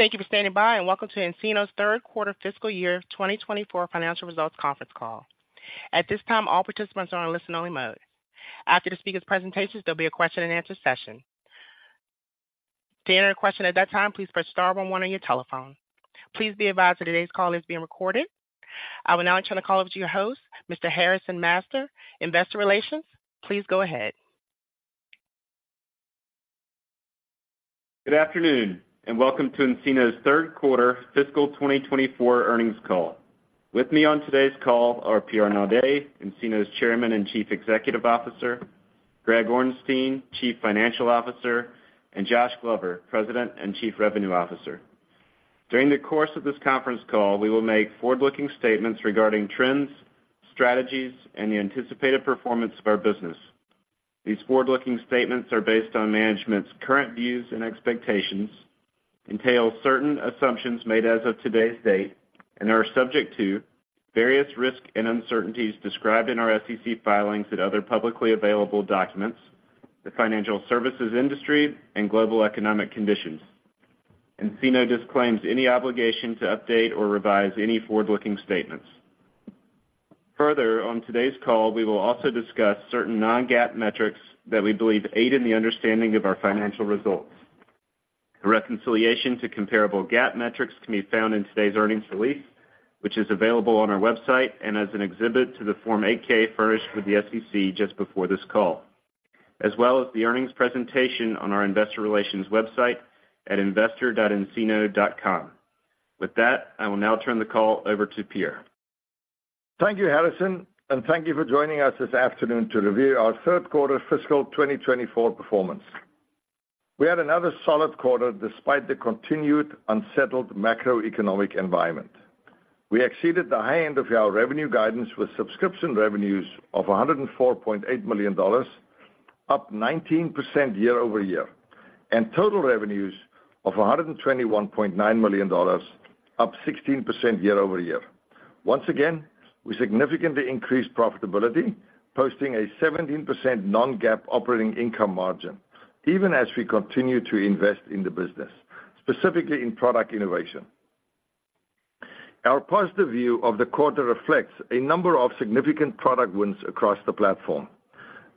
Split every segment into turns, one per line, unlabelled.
Thank you for standing by, and welcome to nCino's third quarter fiscal year 2024 financial results conference call. At this time, all participants are on a listen-only mode. After the speaker's presentations, there'll be a question-and-answer session. To enter a question at that time, please press star one one on your telephone. Please be advised that today's call is being recorded. I will now turn the call over to your host, Mr. Harrison Masters, Investor Relations. Please go ahead.
Good afternoon, and welcome to nCino's third quarter fiscal 2024 earnings call. With me on today's call are Pierre Naudé, nCino's Chairman and Chief Executive Officer, Greg Orenstein, Chief Financial Officer, and Josh Glover, President and Chief Revenue Officer. During the course of this conference call, we will make forward-looking statements regarding trends, strategies, and the anticipated performance of our business. These forward-looking statements are based on management's current views and expectations, entail certain assumptions made as of today's date, and are subject to various risks and uncertainties described in our SEC filings and other publicly available documents, the financial services industry, and global economic conditions. nCino disclaims any obligation to update or revise any forward-looking statements. Further, on today's call, we will also discuss certain non-GAAP metrics that we believe aid in the understanding of our financial results. A reconciliation to comparable GAAP metrics can be found in today's earnings release, which is available on our website and as an exhibit to the Form 8-K furnished with the SEC just before this call, as well as the earnings presentation on our investor relations website at investor.ncino.com. With that, I will now turn the call over to Pierre.
Thank you, Harrison, and thank you for joining us this afternoon to review our third quarter fiscal 2024 performance. We had another solid quarter despite the continued unsettled macroeconomic environment. We exceeded the high end of our revenue guidance with subscription revenues of $104.8 million, up 19% year over year, and total revenues of $121.9 million, up 16% year over year. Once again, we significantly increased profitability, posting a 17% non-GAAP operating income margin, even as we continue to invest in the business, specifically in product innovation. Our positive view of the quarter reflects a number of significant product wins across the platform.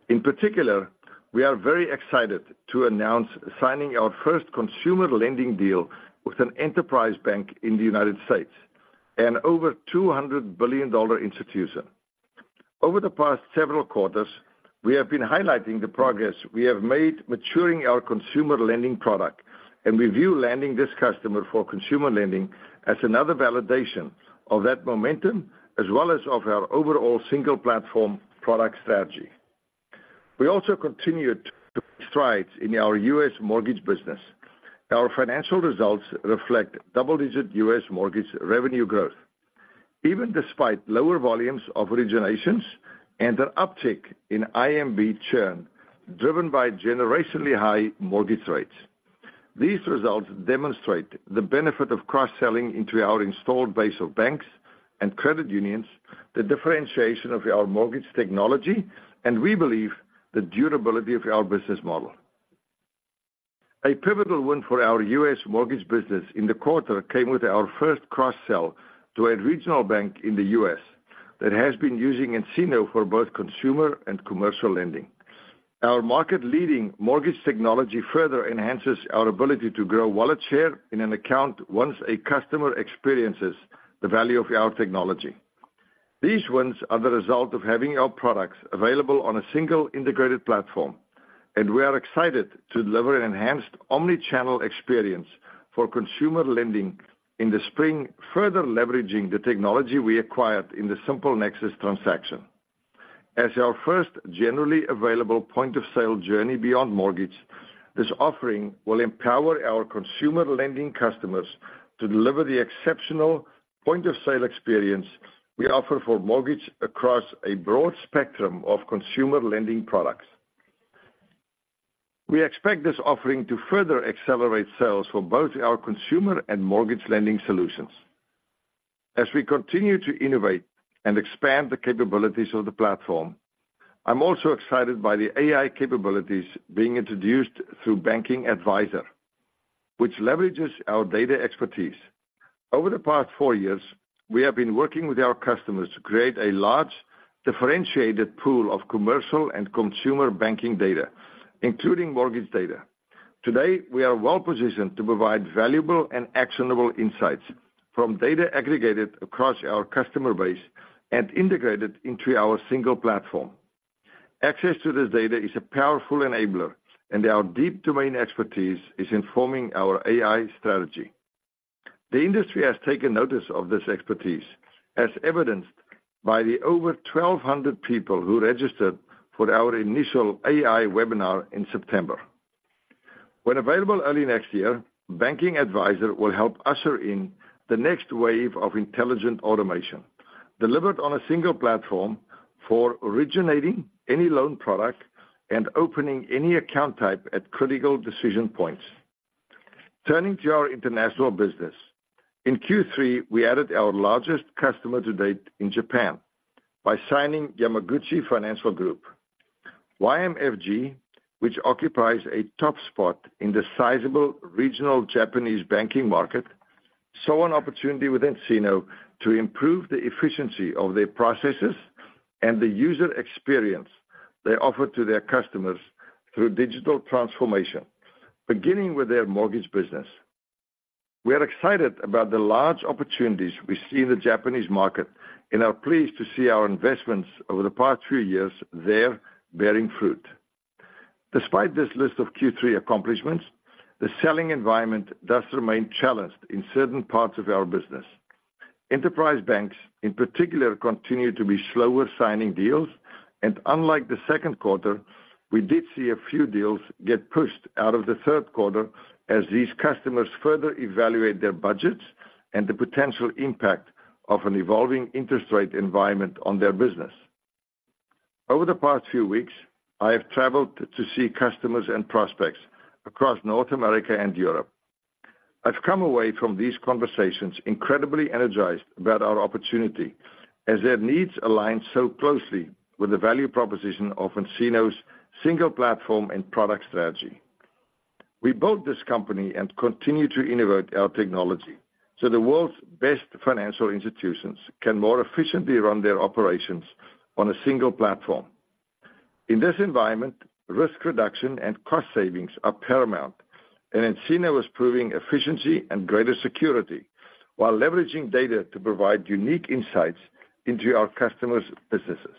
In particular, we are very excited to announce signing our first consumer lending deal with an enterprise bank in the United States and over $200 billion institution. Over the past several quarters, we have been highlighting the progress we have made maturing our consumer lending product, and we view landing this customer for consumer lending as another validation of that momentum, as well as of our overall single platform product strategy. We also continued to make strides in our U.S. mortgage business. Our financial results reflect double-digit U.S. mortgage revenue growth, even despite lower volumes of originations and an uptick in IMB churn, driven by generationally high mortgage rates. These results demonstrate the benefit of cross-selling into our installed base of banks and credit unions, the differentiation of our mortgage technology, and we believe the durability of our business model. A pivotal win for our U.S. mortgage business in the quarter came with our first cross-sell to a regional bank in the U.S. that has been using nCino for both consumer and commercial lending. Our market-leading mortgage technology further enhances our ability to grow wallet share in an account once a customer experiences the value of our technology. These wins are the result of having our products available on a single integrated platform, and we are excited to deliver an enhanced omni-channel experience for consumer lending in the spring, further leveraging the technology we acquired in the SimpleNexus transaction. As our first generally available point-of-sale journey beyond mortgage, this offering will empower our consumer lending customers to deliver the exceptional point-of-sale experience we offer for mortgage across a broad spectrum of consumer lending products. We expect this offering to further accelerate sales for both our consumer and mortgage lending solutions. As we continue to innovate and expand the capabilities of the platform, I'm also excited by the AI capabilities being introduced through Banking Advisor, which leverages our data expertise. Over the past four years, we have been working with our customers to create a large, differentiated pool of commercial and consumer banking data, including mortgage data. Today, we are well positioned to provide valuable and actionable insights from data aggregated across our customer base and integrated into our single platform. Access to this data is a powerful enabler, and our deep domain expertise is informing our AI strategy. The industry has taken notice of this expertise, as evidenced by the over 1,200 people who registered for our initial AI webinar in September. When available early next year, Banking Advisor will help usher in the next wave of intelligent automation delivered on a single platform for originating any loan product and opening any account type at critical decision points. Turning to our international business. In Q3, we added our largest customer to date in Japan by signing Yamaguchi Financial Group. YMFG, which occupies a top spot in the sizable regional Japanese banking market, saw an opportunity with nCino to improve the efficiency of their processes and the user experience they offer to their customers through digital transformation, beginning with their mortgage business. We are excited about the large opportunities we see in the Japanese market and are pleased to see our investments over the past few years there bearing fruit. Despite this list of Q3 accomplishments, the selling environment does remain challenged in certain parts of our business. Enterprise banks, in particular, continue to be slower signing deals, and unlike the second quarter, we did see a few deals get pushed out of the third quarter as these customers further evaluate their budgets and the potential impact of an evolving interest rate environment on their business. Over the past few weeks, I have traveled to see customers and prospects across North America and Europe. I've come away from these conversations incredibly energized about our opportunity as their needs align so closely with the value proposition of nCino's single platform and product strategy. We built this company and continue to innovate our technology so the world's best financial institutions can more efficiently run their operations on a single platform. In this environment, risk reduction and cost savings are paramount, and nCino is proving efficiency and greater security while leveraging data to provide unique insights into our customers' businesses.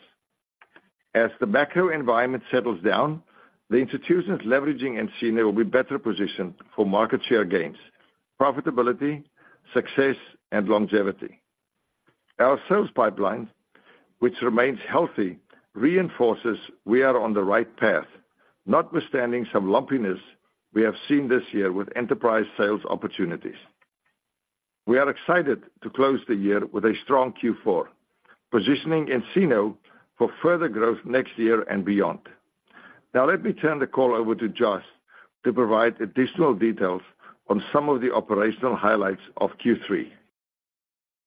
As the macro environment settles down, the institutions leveraging nCino will be better positioned for market share gains, profitability, success, and longevity. Our sales pipeline, which remains healthy, reinforces we are on the right path, notwithstanding some lumpiness we have seen this year with enterprise sales opportunities. We are excited to close the year with a strong Q4, positioning nCino for further growth next year and beyond. Now, let me turn the call over to Josh to provide additional details on some of the operational highlights of Q3.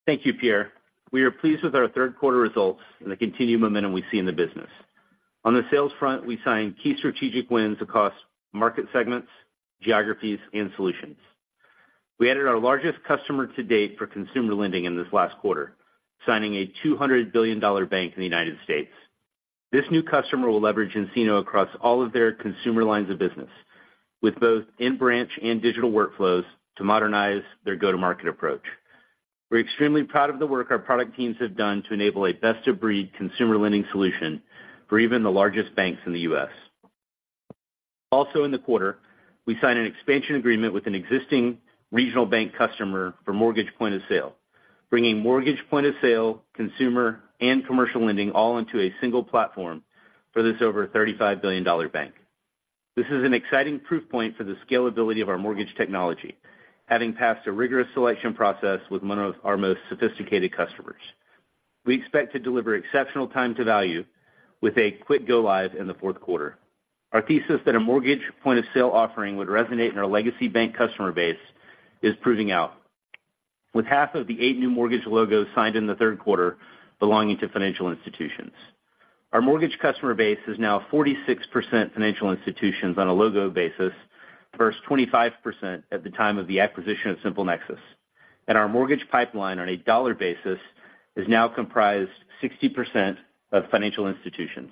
Thank you, Pierre. We are pleased with our third quarter results and the continued momentum we see in the business. On the sales front, we signed key strategic wins across market segments, geographies, and solutions. We added our largest customer to date for consumer lending in this last quarter, signing a $200 billion bank in the United States. This new customer will leverage nCino across all of their consumer lines of business, with both in-branch and digital workflows to modernize their go-to-market approach. We're extremely proud of the work our product teams have done to enable a best-of-breed consumer lending solution for even the largest banks in the U.S. Also in the quarter, we signed an expansion agreement with an existing regional bank customer for mortgage point-of-sale, bringing mortgage point-of-sale, consumer, and commercial lending all into a single platform for this over $35 billion bank. This is an exciting proof point for the scalability of our mortgage technology, having passed a rigorous selection process with one of our most sophisticated customers. We expect to deliver exceptional time to value with a quick go live in the fourth quarter. Our thesis that a mortgage point-of-sale offering would resonate in our legacy bank customer base is proving out, with half of the 8 new mortgage logos signed in the third quarter belonging to financial institutions. Our mortgage customer base is now 46% financial institutions on a logo basis, versus 25% at the time of the acquisition of SimpleNexus. Our mortgage pipeline on a dollar basis is now comprised 60% of financial institutions.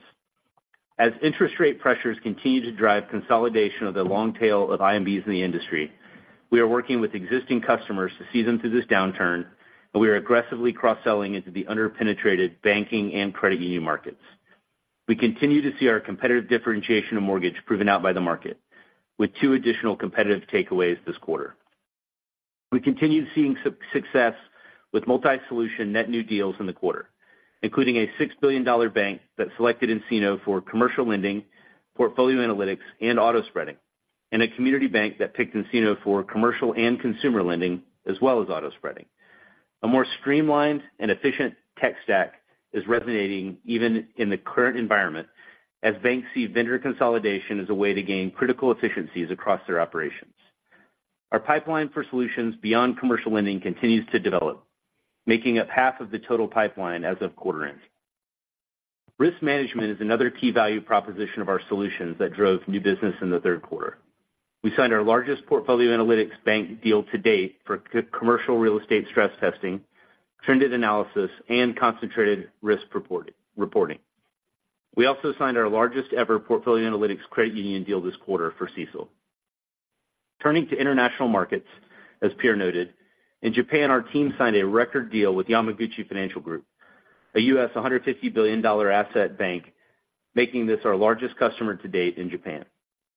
As interest rate pressures continue to drive consolidation of the long tail of IMBs in the industry, we are working with existing customers to see them through this downturn, and we are aggressively cross-selling into the underpenetrated banking and credit union markets. We continue to see our competitive differentiation in mortgage proven out by the market, with two additional competitive takeaways this quarter. We continue seeing success with multi-solution net new deals in the quarter, including a $6 billion bank that selected nCino for commercial lending, Portfolio Analytics, and Auto Spreading, and a community bank that picked nCino for commercial and consumer lending, as well as Auto Spreading. A more streamlined and efficient tech stack is resonating even in the current environment, as banks see vendor consolidation as a way to gain critical efficiencies across their operations. Our pipeline for solutions beyond commercial lending continues to develop, making up half of the total pipeline as of quarter end. Risk management is another key value proposition of our solutions that drove new business in the third quarter. We signed our largest portfolio analytics bank deal to date for commercial real estate stress testing, trended analysis, and concentrated risk reporting. We also signed our largest-ever portfolio analytics credit union deal this quarter for CECL. Turning to international markets, as Pierre noted, in Japan, our team signed a record deal with Yamaguchi Financial Group, a U.S. $150 billion asset bank, making this our largest customer to date in Japan.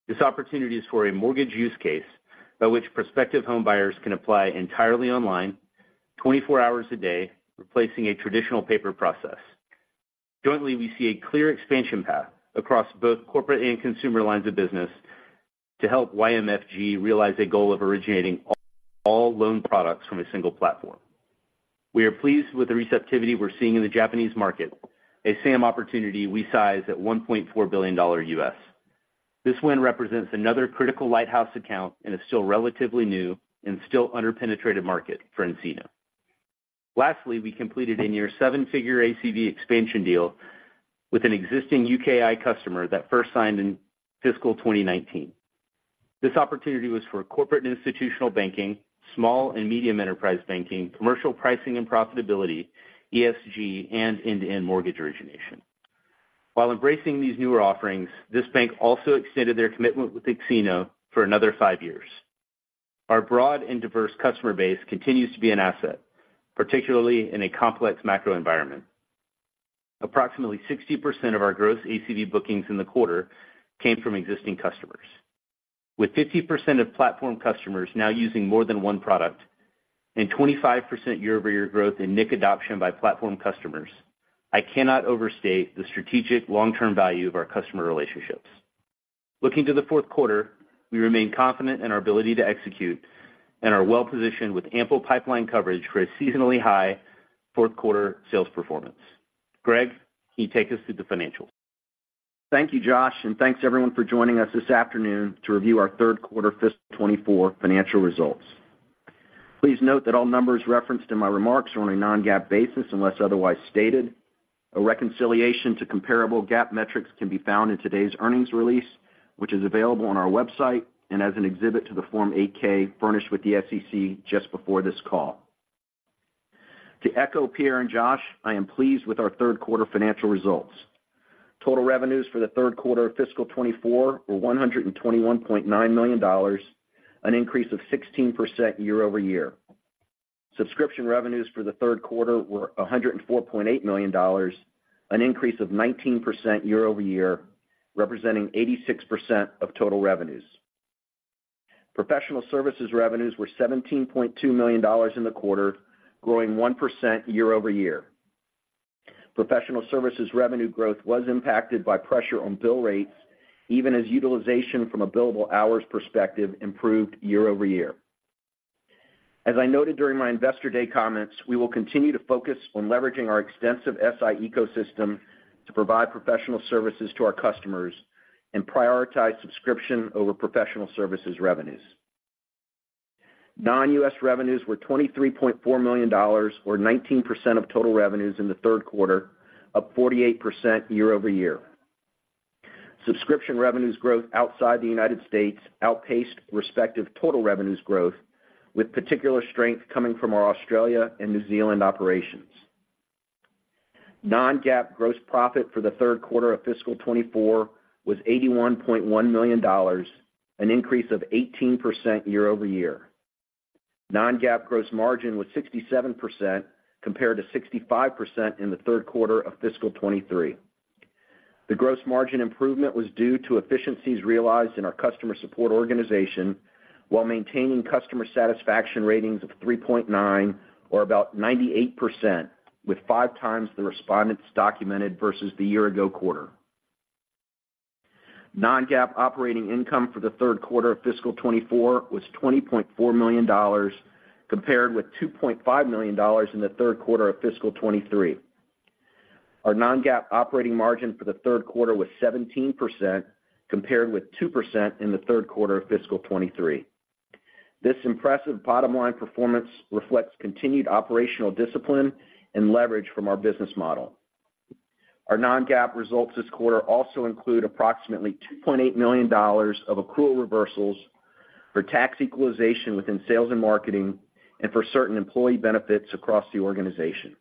This opportunity is for a mortgage use case by which prospective homebuyers can apply entirely online, 24 hours a day, replacing a traditional paper process. Jointly, we see a clear expansion path across both corporate and consumer lines of business to help YMFG realize a goal of originating all loan products from a single platform. We are pleased with the receptivity we're seeing in the Japanese market, a same opportunity we size at $1.4 billion. This win represents another critical lighthouse account and is still relatively new and still underpenetrated market for nCino. Lastly, we completed a near seven-figure ACV expansion deal with an existing UKI customer that first signed in fiscal 2019. This opportunity was for corporate and institutional banking, small and medium enterprise banking, Commercial Pricing and Profitability, ESG, and end-to-end mortgage origination. While embracing these newer offerings, this bank also extended their commitment with nCino for another five years. Our broad and diverse customer base continues to be an asset, particularly in a complex macro environment. Approximately 60% of our gross ACV bookings in the quarter came from existing customers. With 50% of platform customers now using more than one product and 25% year-over-year growth in nIQ adoption by platform customers, I cannot overstate the strategic long-term value of our customer relationships. Looking to the fourth quarter, we remain confident in our ability to execute and are well-positioned with ample pipeline coverage for a seasonally high fourth quarter sales performance. Greg, can you take us through the financials?
Thank you, Josh, and thanks everyone for joining us this afternoon to review our third quarter fiscal 2024 financial results. Please note that all numbers referenced in my remarks are on a non-GAAP basis, unless otherwise stated. A reconciliation to comparable GAAP metrics can be found in today's earnings release, which is available on our website and as an exhibit to the Form 8-K furnished with the SEC just before this call. To echo Pierre and Josh, I am pleased with our third quarter financial results. Total revenues for the third quarter of fiscal 2024 were $121.9 million, an increase of 16% year-over-year. Subscription revenues for the third quarter were $104.8 million, an increase of 19% year-over-year, representing 86% of total revenues. Professional services revenues were $17.2 million in the quarter, growing 1% year-over-year. Professional services revenue growth was impacted by pressure on bill rates, even as utilization from a billable hours perspective improved year-over-year. As I noted during my Investor Day comments, we will continue to focus on leveraging our extensive SI ecosystem to provide professional services to our customers and prioritize subscription over professional services revenues. Non-U.S. revenues were $23.4 million, or 19% of total revenues in the third quarter, up 48% year-over-year. Subscription revenues growth outside the United States outpaced respective total revenues growth, with particular strength coming from our Australia and New Zealand operations. Non-GAAP gross profit for the third quarter of fiscal 2024 was $81.1 million, an increase of 18% year-over-year. Non-GAAP gross margin was 67%, compared to 65% in the third quarter of fiscal 2023. The gross margin improvement was due to efficiencies realized in our customer support organization, while maintaining customer satisfaction ratings of 3.9, or about 98%, with 5x the respondents documented versus the year ago quarter. Non-GAAP operating income for the third quarter of fiscal 2024 was $20.4 million, compared with $2.5 million in the third quarter of fiscal 2023. Our non-GAAP operating margin for the third quarter was 17%, compared with 2% in the third quarter of fiscal 2023. This impressive bottom-line performance reflects continued operational discipline and leverage from our business model. Our non-GAAP results this quarter also include approximately $2.8 million of accrual reversals for tax equalization within sales and marketing and for certain employee benefits across the organization.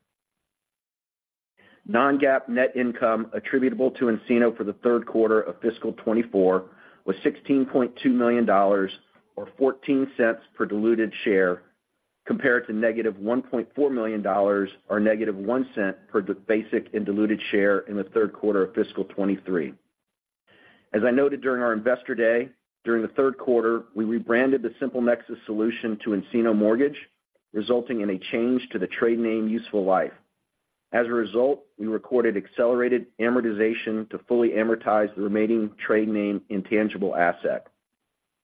Non-GAAP net income attributable to nCino for the third quarter of fiscal 2024 was $16.2 million, or $0.14 per diluted share, compared to -$1.4 million, or -$0.01 per basic and diluted share in the third quarter of fiscal 2023. As I noted during our Investor Day, during the third quarter, we rebranded the SimpleNexus solution to nCino Mortgage, resulting in a change to the trade name useful life. As a result, we recorded accelerated amortization to fully amortize the remaining trade name intangible asset.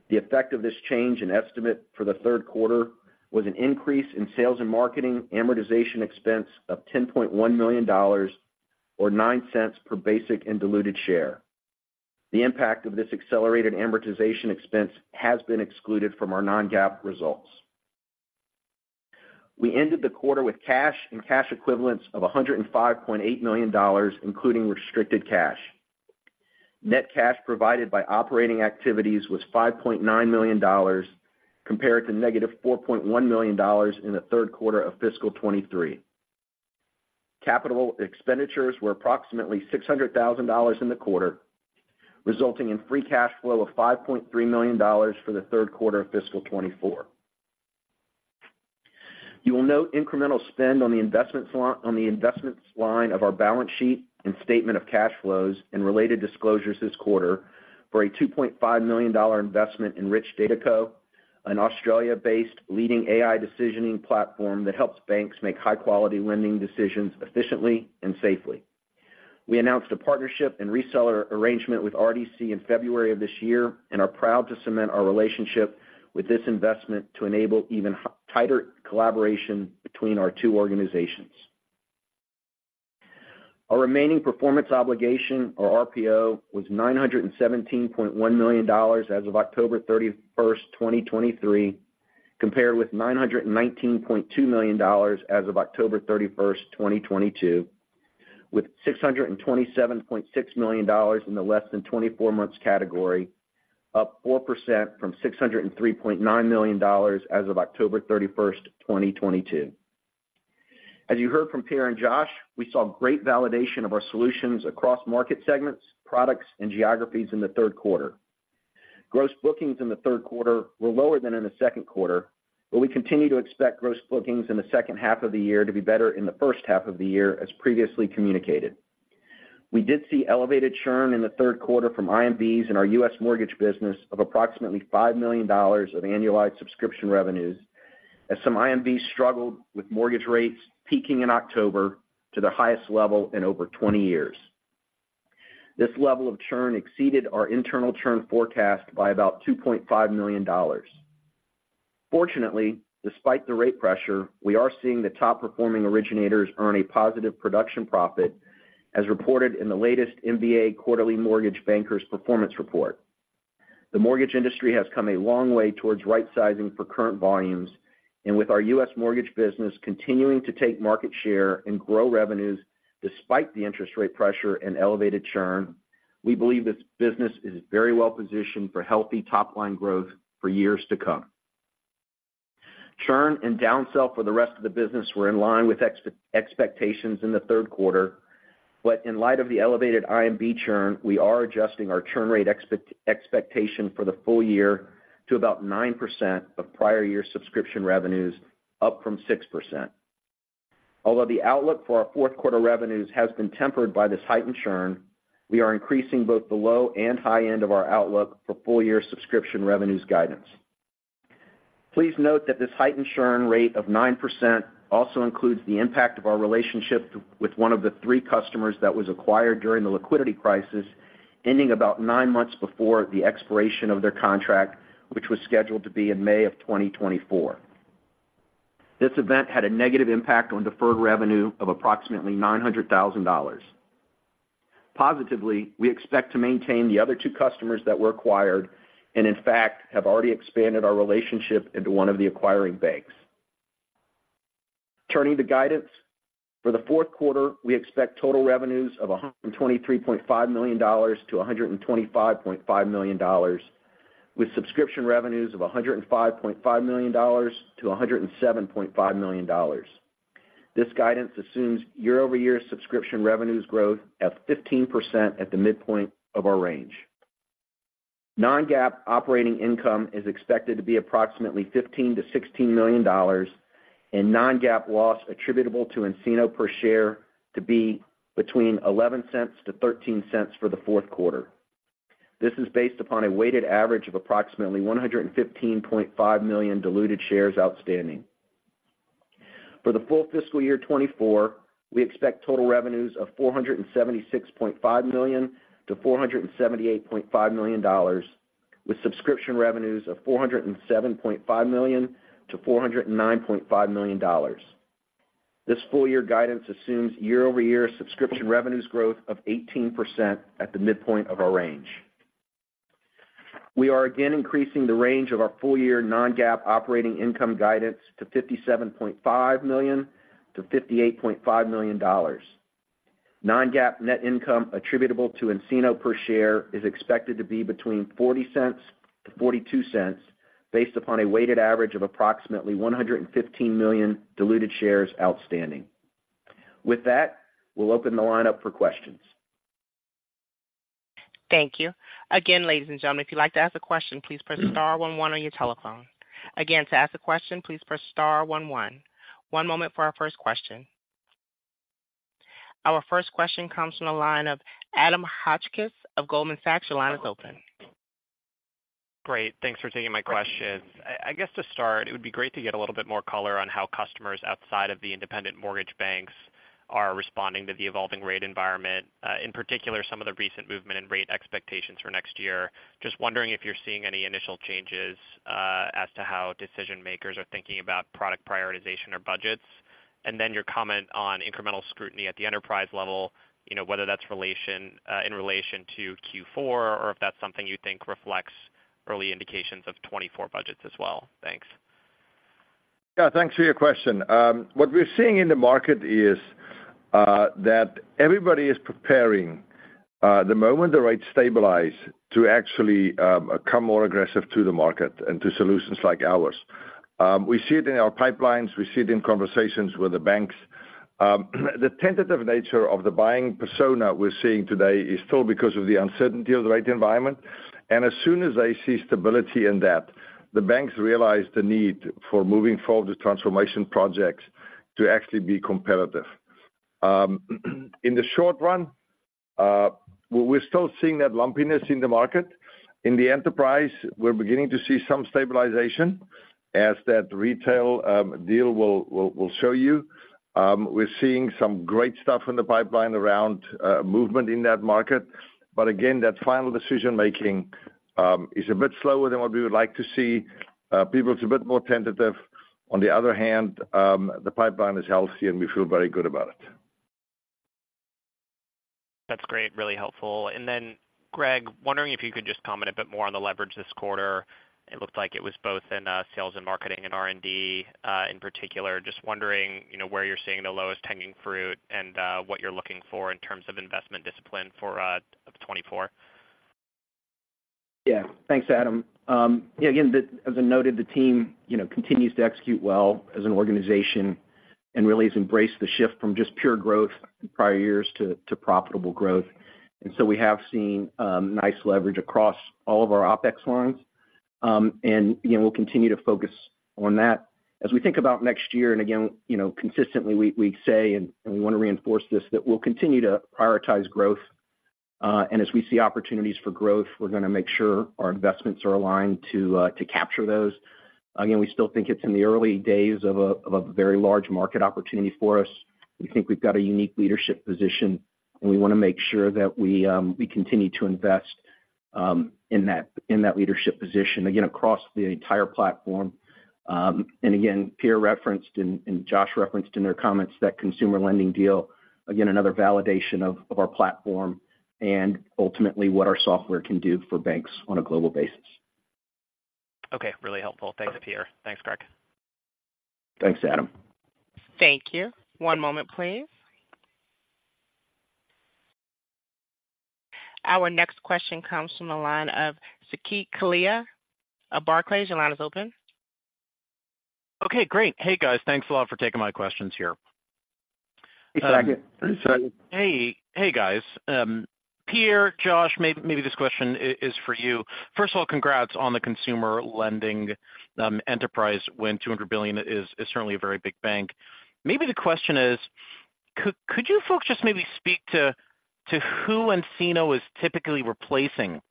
The effect of this change in estimate for the third quarter was an increase in sales and marketing amortization expense of $10.1 million, or $0.09 per basic and diluted share. The impact of this accelerated amortization expense has been excluded from our non-GAAP results. We ended the quarter with cash and cash equivalents of $105.8 million, including restricted cash. Net cash provided by operating activities was $5.9 million, compared to -$4.1 million in the third quarter of fiscal 2023. Capital expenditures were approximately $600,000 in the quarter, resulting in free cash flow of $5.3 million for the third quarter of fiscal 2024. You will note incremental spend on the investments line, on the investments line of our balance sheet and statement of cash flows and related disclosures this quarter for a $2.5 million investment in Rich Data Co, an Australia-based leading AI decisioning platform that helps banks make high-quality lending decisions efficiently and safely. We announced a partnership and reseller arrangement with RDC in February of this year and are proud to cement our relationship with this investment to enable even tighter collaboration between our two organizations. Our remaining performance obligation, or RPO, was $917.1 million as of October 31st, 2023, compared with $919.2 million as of October 31st, 2022, with $627.6 million in the less than 24 months category, up 4% from $603.9 million as of October 31st, 2022. As you heard from Pierre and Josh, we saw great validation of our solutions across market segments, products, and geographies in the third quarter. Gross bookings in the third quarter were lower than in the second quarter, but we continue to expect gross bookings in the second half of the year to be better in the first half of the year, as previously communicated. We did see elevated churn in the third quarter from IMBs in our U.S. mortgage business of approximately $5 million of annualized subscription revenues, as some IMBs struggled with mortgage rates peaking in October to their highest level in over 20 years. This level of churn exceeded our internal churn forecast by about $2.5 million. Fortunately, despite the rate pressure, we are seeing the top-performing originators earn a positive production profit, as reported in the latest MBA Quarterly Mortgage Bankers Performance Report. The mortgage industry has come a long way towards right sizing for current volumes, and with our U.S. mortgage business continuing to take market share and grow revenues despite the interest rate pressure and elevated churn, we believe this business is very well positioned for healthy top-line growth for years to come. Churn and downsell for the rest of the business were in line with expectations in the third quarter, but in light of the elevated IMB churn, we are adjusting our churn rate expectation for the full year to about 9% of prior year subscription revenues, up from 6%. Although the outlook for our fourth quarter revenues has been tempered by this heightened churn, we are increasing both the low and high end of our outlook for full year subscription revenues guidance. Please note that this heightened churn rate of 9% also includes the impact of our relationship with one of the three customers that was acquired during the liquidity crisis, ending about nine months before the expiration of their contract, which was scheduled to be in May of 2024. This event had a negative impact on deferred revenue of approximately $900,000. Positively, we expect to maintain the other two customers that were acquired, and in fact, have already expanded our relationship into one of the acquiring banks. Turning to guidance. For the fourth quarter, we expect total revenues of $123.5 million-$125.5 million, with subscription revenues of $105.5 million-$107.5 million. This guidance assumes year-over-year subscription revenues growth at 15% at the midpoint of our range. Non-GAAP operating income is expected to be approximately $15 million-$16 million, and non-GAAP loss attributable to nCino per share to be between $0.11-$0.13 for the fourth quarter. This is based upon a weighted average of approximately 115.5 million diluted shares outstanding. For the full fiscal year 2024, we expect total revenues of $476.5 million-$478.5 million, with subscription revenues of $407.5 million-$409.5 million. This full year guidance assumes year-over-year subscription revenues growth of 18% at the midpoint of our range. We are again increasing the range of our full-year non-GAAP operating income guidance to $57.5 million-$58.5 million. Non-GAAP net income attributable to nCino per share is expected to be between $0.40-$0.42, based upon a weighted average of approximately 115 million diluted shares outstanding. With that, we'll open the line up for questions.
Thank you. Again, ladies and gentlemen, if you'd like to ask a question, please press star one one on your telephone. Again, to ask a question, please press star one one. One moment for our first question. Our first question comes from the line of Adam Hotchkiss of Goldman Sachs. Your line is open.
Great. Thanks for taking my question. I guess to start, it would be great to get a little bit more color on how customers outside of the independent mortgage banks are responding to the evolving rate environment, in particular, some of the recent movement in rate expectations for next year. Just wondering if you're seeing any initial changes, as to how decision-makers are thinking about product prioritization or budgets. And then your comment on incremental scrutiny at the enterprise level, you know, whether that's in relation to Q4, or if that's something you think reflects early indications of 2024 budgets as well. Thanks.
Yeah, thanks for your question. What we're seeing in the market is that everybody is preparing the moment the rates stabilize, to actually become more aggressive to the market and to solutions like ours. We see it in our pipelines, we see it in conversations with the banks. The tentative nature of the buying persona we're seeing today is still because of the uncertainty of the rate environment. And as soon as they see stability in that, the banks realize the need for moving forward with transformation projects to actually be competitive. In the short run, we're still seeing that lumpiness in the market. In the enterprise, we're beginning to see some stabilization, as that retail deal will show you. We're seeing some great stuff in the pipeline around movement in that market. But again, that final decision-making is a bit slower than what we would like to see. People is a bit more tentative. On the other hand, the pipeline is healthy, and we feel very good about it.
That's great. Really helpful. And then, Greg, wondering if you could just comment a bit more on the leverage this quarter. It looked like it was both in sales and marketing and R&D, in particular. Just wondering, you know, where you're seeing the lowest hanging fruit and what you're looking for in terms of investment discipline for 2024.
Yeah. Thanks, Adam. Yeah, again, as I noted, the team, you know, continues to execute well as an organization and really has embraced the shift from just pure growth in prior years to profitable growth. And so we have seen nice leverage across all of our OpEx lines. And, you know, we'll continue to focus on that. As we think about next year, and again, you know, consistently we say, and we want to reinforce this, that we'll continue to prioritize growth. And as we see opportunities for growth, we're gonna make sure our investments are aligned to capture those. Again, we still think it's in the early days of a very large market opportunity for us. We think we've got a unique leadership position, and we want to make sure that we continue to invest in that leadership position, again, across the entire platform. And again, Pierre referenced, and Josh referenced in their comments, that consumer lending deal, again, another validation of our platform and ultimately what our software can do for banks on a global basis.
Okay, really helpful. Thanks, Pierre. Thanks, Greg.
Thanks, Adam.
Thank you. One moment, please. Our next question comes from the line of Saket Kalia of Barclays. Your line is open.
Okay, great. Hey, guys, thanks a lot for taking my questions here.
Hey, Saket.
Hey, Saket.
Hey, guys. Pierre, Josh, maybe this question is for you. First of all, congrats on the consumer lending enterprise win. $200 billion is certainly a very big bank. Maybe the question is: could you folks just maybe speak to who nCino is typically replacing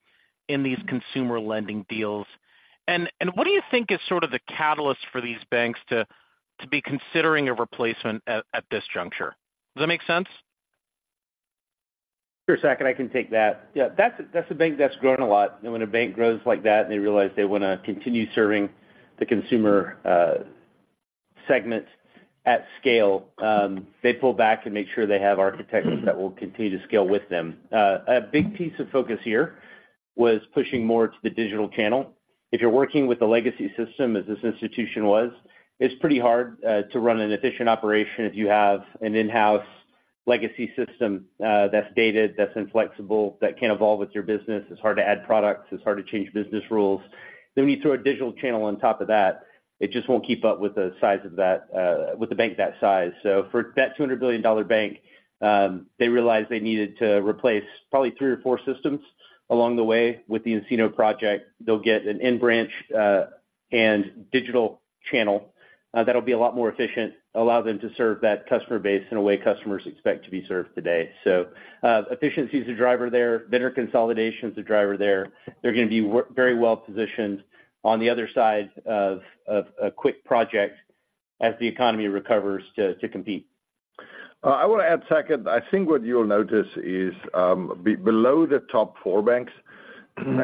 in these consumer lending deals? And what do you think is sort of the catalyst for these banks to be considering a replacement at this juncture? Does that make sense?
Sure, Saket, I can take that. Yeah, that's a bank that's grown a lot. And when a bank grows like that, and they realize they want to continue serving the consumer segment at scale, they pull back and make sure they have architecture that will continue to scale with them. A big piece of focus here was pushing more to the digital channel. If you're working with a legacy system, as this institution was, it's pretty hard to run an efficient operation if you have an in-house legacy system that's dated, that's inflexible, that can't evolve with your business. It's hard to add products. It's hard to change business rules. Then when you throw a digital channel on top of that, it just won't keep up with the size of that, with a bank that size. So for that $200 billion bank, they realized they needed to replace probably three or four systems along the way. With the nCino project, they'll get an in-branch and digital channel that'll be a lot more efficient, allow them to serve that customer base in a way customers expect to be served today. So, efficiency is a driver there. Better consolidation is a driver there. They're going to be very well positioned on the other side of a quick project as the economy recovers to compete.
I want to add, Saket, I think what you'll notice is, below the top four banks,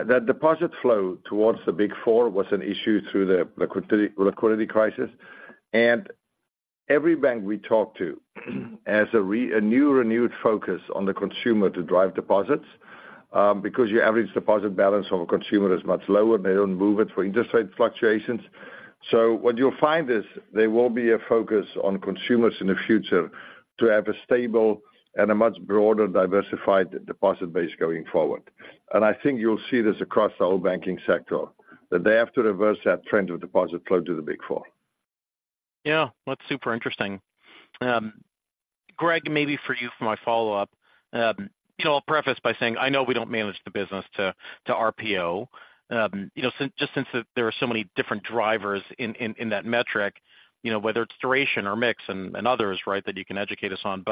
that deposit flow towards the Big Four was an issue through the liquidity crisis. And every bank we talk to has a new renewed focus on the consumer to drive deposits, because your average deposit balance of a consumer is much lower, and they don't move it for interest rate fluctuations. So what you'll find is there will be a focus on consumers in the future to have a stable and a much broader, diversified deposit base going forward. And I think you'll see this across the whole banking sector, that they have to reverse that trend of deposit flow to the Big Four.
Yeah, that's super interesting. Greg, maybe for you for my follow-up. You know, I'll preface by saying, I know we don't manage the business to RPO. You know, just since there are so many different drivers in that metric, you know, whether it's duration or mix and others, right, that you can educate us on.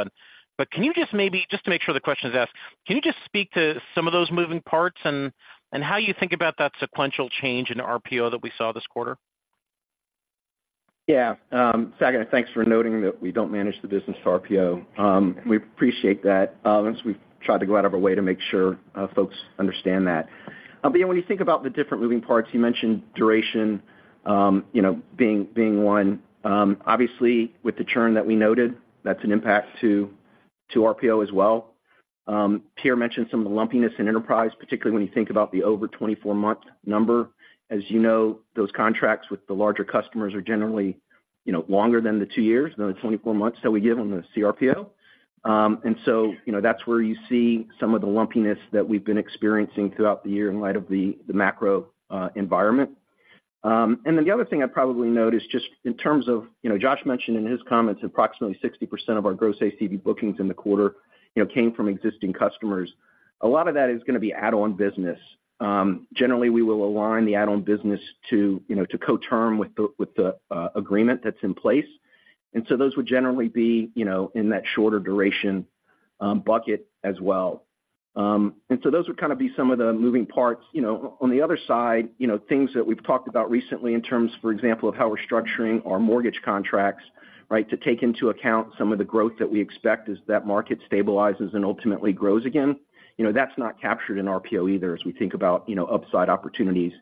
But can you just maybe just to make sure the question is asked, can you just speak to some of those moving parts and how you think about that sequential change in RPO that we saw this quarter?
Yeah. Saket, thanks for noting that we don't manage the business to RPO. We appreciate that, as we've tried to go out of our way to make sure, folks understand that. But when you think about the different moving parts, you mentioned duration, you know, being, being one. Obviously, with the churn that we noted, that's an impact to, to RPO as well. Pierre mentioned some of the lumpiness in enterprise, particularly when you think about the over 24-month number. As you know, those contracts with the larger customers are generally, you know, longer than the two years, than the 24 months that we give on the CRPO. And so, you know, that's where you see some of the lumpiness that we've been experiencing throughout the year in light of the, the macro, environment. And then the other thing I'd probably note is just in terms of, you know, Josh mentioned in his comments, approximately 60% of our gross ACV bookings in the quarter, you know, came from existing customers. A lot of that is going to be add-on business. Generally, we will align the add-on business to, you know, to co-term with the agreement that's in place. And so those would generally be, you know, in that shorter duration bucket as well. And so those would kind of be some of the moving parts. You know, on the other side, you know, things that we've talked about recently in terms, for example, of how we're structuring our mortgage contracts, right? To take into account some of the growth that we expect as that market stabilizes and ultimately grows again. You know, that's not captured in RPO either, as we think about, you know, upside opportunities,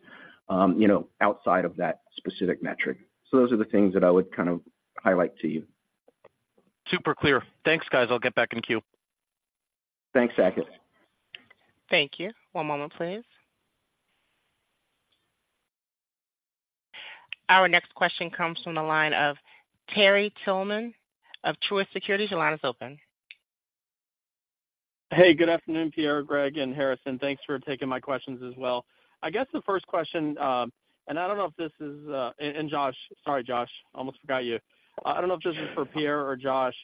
you know, outside of that specific metric. So those are the things that I would kind of highlight to you.
Super clear. Thanks, guys. I'll get back in queue.
Thanks, Saket.
Thank you. One moment, please. Our next question comes from the line of Terry Tillman of Truist Securities. Your line is open.
Hey, good afternoon, Pierre, Greg, and Harrison. Thanks for taking my questions as well. I guess the first question. Sorry, Josh, I almost forgot you. I don't know if this is for Pierre or Josh,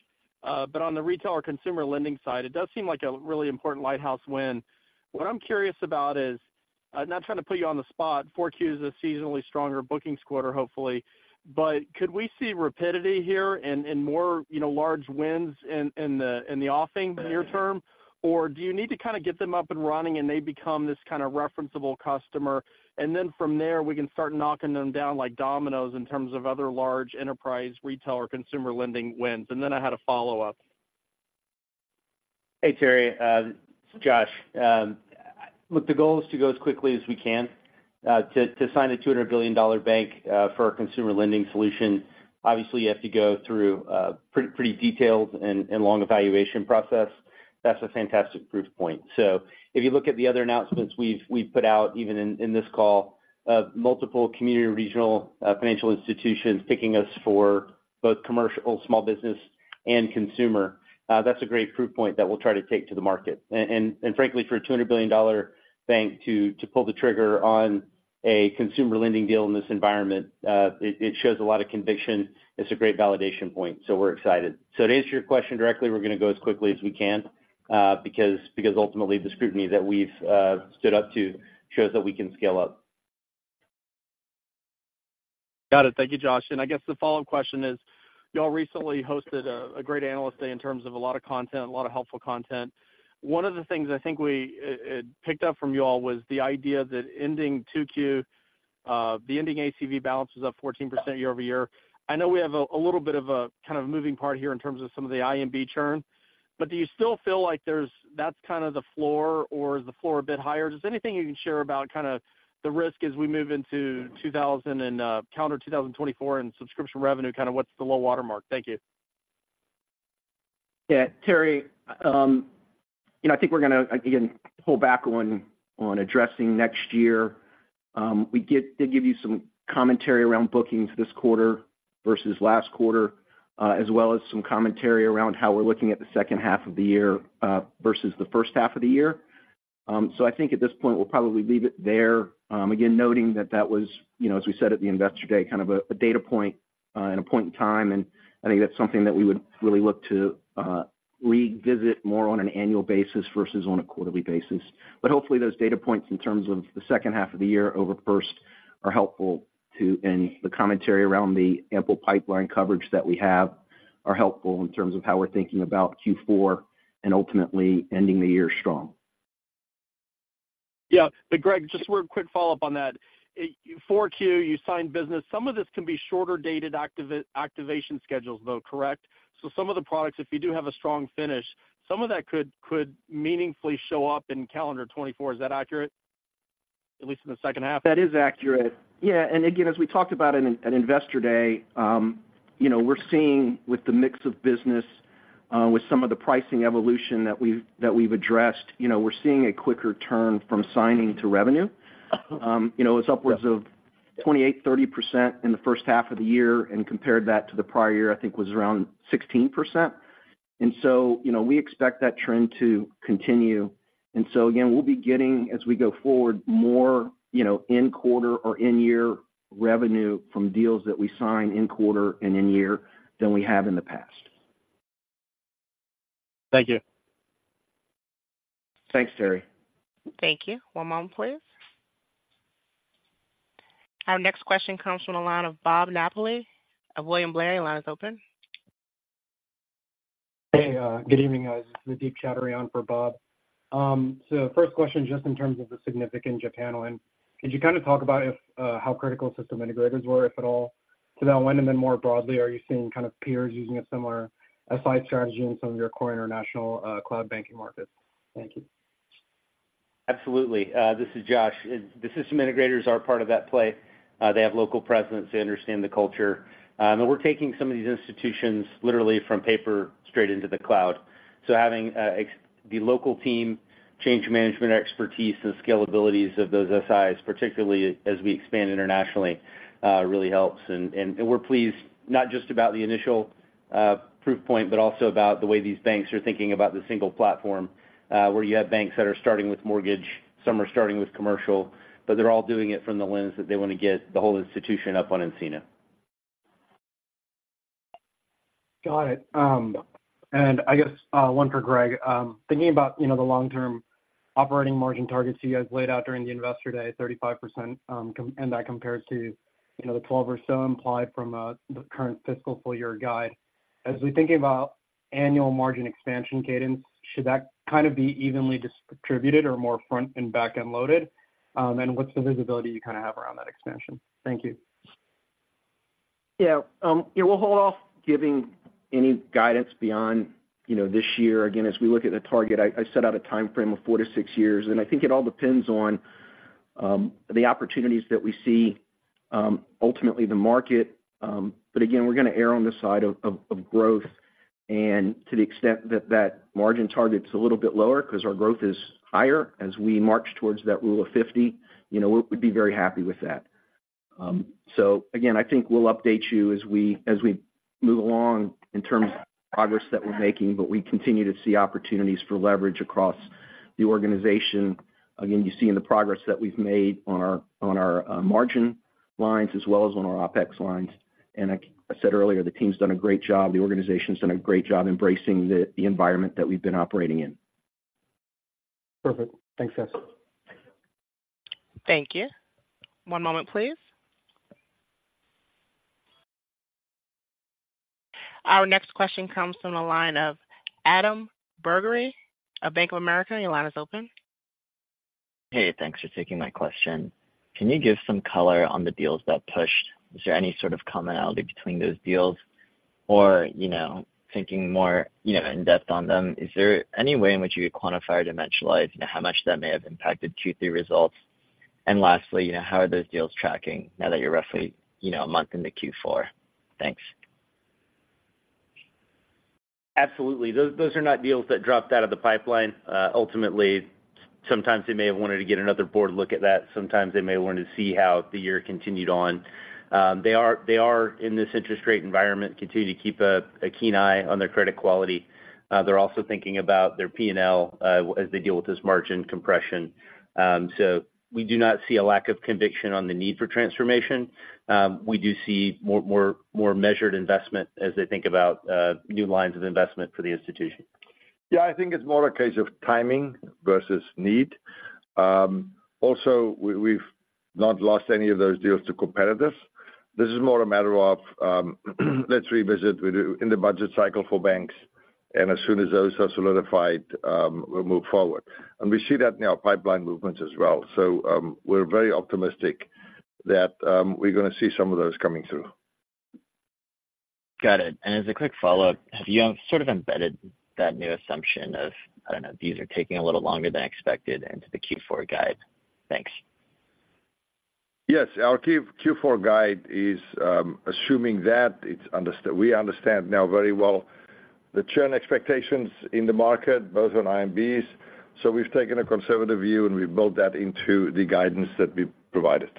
but on the retail or consumer lending side, it does seem like a really important lighthouse win. What I'm curious about is, I'm not trying to put you on the spot. 4Q is a seasonally stronger bookings quarter, hopefully. But could we see rapidity here and more, you know, large wins in the offing near term? Or do you need to kind of get them up and running and they become this kind of referenceable customer, and then from there, we can start knocking them down like dominoes in terms of other large enterprise, retail, or consumer lending wins. And then I had a follow-up.
Hey, Terry, Josh. Look, the goal is to go as quickly as we can to sign a $200 billion bank for a consumer lending solution. Obviously, you have to go through pretty detailed and long evaluation process. That's a fantastic proof point. So if you look at the other announcements we've put out, even in this call, of multiple community, regional financial institutions picking us for both commercial, small business, and consumer, that's a great proof point that we'll try to take to the market. And frankly, for a $200 billion bank to pull the trigger on a consumer lending deal in this environment, it shows a lot of conviction. It's a great validation point, so we're excited. So to answer your question directly, we're going to go as quickly as we can, because ultimately the scrutiny that we've stood up to shows that we can scale up.
Got it. Thank you, Josh. And I guess the follow-up question is, y'all recently hosted a great analyst day in terms of a lot of content, a lot of helpful content. One of the things I think we picked up from you all was the idea that ending Q2, the ending ACV balance is up 14% year-over-year. I know we have a little bit of a kind of moving part here in terms of some of the IMB churn, but do you still feel like there's, that's kind of the floor, or is the floor a bit higher? Just anything you can share about kind of the risk as we move into 2024 and subscription revenue, kind of what's the low watermark? Thank you.
Yeah, Terry, you know, I think we're gonna, again, pull back on addressing next year. We get to give you some commentary around bookings this quarter versus last quarter, as well as some commentary around how we're looking at the second half of the year, versus the first half of the year. So I think at this point, we'll probably leave it there. Again, noting that that was, you know, as we said at the Investor Day, kind of a data point, and a point in time, and I think that's something that we would really look to revisit more on an annual basis versus on a quarterly basis. But hopefully, those data points in terms of the second half of the year over first are helpful too, and the commentary around the ample pipeline coverage that we have are helpful in terms of how we're thinking about Q4 and ultimately ending the year strong.
Yeah. But Greg, just one quick follow-up on that. 4Q, you signed business. Some of this can be shorter-dated activation schedules, though, correct? So some of the products, if you do have a strong finish, some of that could, could meaningfully show up in calendar 2024. Is that accurate, at least in the second half?
That is accurate. Yeah, and again, as we talked about at Investor Day, you know, we're seeing with the mix of business, with some of the pricing evolution that we've, that we've addressed, you know, we're seeing a quicker turn from signing to revenue. You know, it's upwards of 28-30% in the first half of the year, and compared that to the prior year, I think was around 16%. And so, you know, we expect that trend to continue. And so again, we'll be getting, as we go forward, more, you know, in quarter or in year revenue from deals that we sign in quarter and in year than we have in the past. Thank you.
Thanks, Terry.
Thank you. One moment, please. Our next question comes from the line of Bob Napoli of William Blair. Your line is open.
Hey, good evening, guys. This is Adib Choudhury on for Bob. The first question, just in terms of the significant Japan win, could you kind of talk about if, how critical system integrators were, if at all, to that win? And then more broadly, are you seeing kind of peers using a similar SI strategy in some of your core international, cloud banking markets? Thank you.
Absolutely. This is Josh. The system integrators are part of that play. They have local presence. They understand the culture. And we're taking some of these institutions literally from paper straight into the cloud. So having the local team, change management expertise, and scalability of those SIs, particularly as we expand internationally, really helps. And we're pleased, not just about the initial proof point, but also about the way these banks are thinking about the single platform, where you have banks that are starting with mortgage, some are starting with commercial, but they're all doing it from the lens that they want to get the whole institution up on nCino.
Got it. And I guess, one for Greg. Thinking about, you know, the long-term operating margin targets you guys laid out during the Investor Day, 35%, and that compares to, you know, the 12 or so implied from the current fiscal full year guide. As we think about annual margin expansion cadence, should that kind of be evenly distributed or more front- and back-end loaded? And what's the visibility you kind of have around that expansion? Thank you.
Yeah, we'll hold off giving any guidance beyond, you know, this year. Again, as we look at the target, I set out a timeframe of four to six years, and I think it all depends on The opportunities that we see, ultimately the market. But again, we're gonna err on the side of growth, and to the extent that that margin target's a little bit lower because our growth is higher as we march towards that rule of fifty, you know, we'd be very happy with that. So again, I think we'll update you as we move along in terms of progress that we're making, but we continue to see opportunities for leverage across the organization. Again, you see in the progress that we've made on our margin lines as well as on our OpEx lines. And like I said earlier, the team's done a great job, the organization's done a great job embracing the environment that we've been operating in.
Perfect. Thanks, guys.
Thank you. One moment, please. Our next question comes from the line of Adam Bergere of Bank of America. Your line is open.
Hey, thanks for taking my question. Can you give some color on the deals that pushed? Is there any sort of commonality between those deals? Or, you know, thinking more, you know, in-depth on them, is there any way in which you could quantify or dimensionalize, you know, how much that may have impacted Q3 results? And lastly, you know, how are those deals tracking now that you're roughly, you know, a month into Q4? Thanks.
Absolutely. Those are not deals that dropped out of the pipeline. Ultimately, sometimes they may have wanted to get another board look at that. Sometimes they may want to see how the year continued on. They are in this interest rate environment continue to keep a keen eye on their credit quality. They're also thinking about their PNL as they deal with this margin compression. So we do not see a lack of conviction on the need for transformation. We do see more measured investment as they think about new lines of investment for the institution.
Yeah, I think it's more a case of timing versus need. Also, we've not lost any of those deals to competitors. This is more a matter of, let's revisit with the, in the budget cycle for banks, and as soon as those are solidified, we'll move forward. And we see that in our pipeline movements as well. So, we're very optimistic that, we're gonna see some of those coming through.
Got it. As a quick follow-up, have you sort of embedded that new assumption of, I don't know, these are taking a little longer than expected into the Q4 guide? Thanks.
Yes, our Q4 guide is assuming that. We understand now very well the churn expectations in the market, both on IMBs. So we've taken a conservative view, and we built that into the guidance that we provided.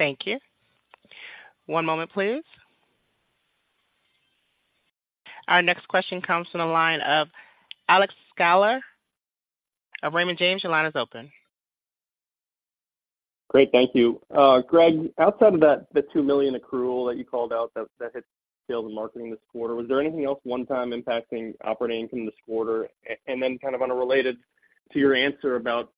Thank you. One moment, please. Our next question comes from the line of Alex Sklar of Raymond James. Your line is open.
Great, thank you. Greg, outside of that, the $2 million accrual that you called out that hit sales and marketing this quarter, was there anything else one-time impacting operating in this quarter? And then kind of unrelated to your answer about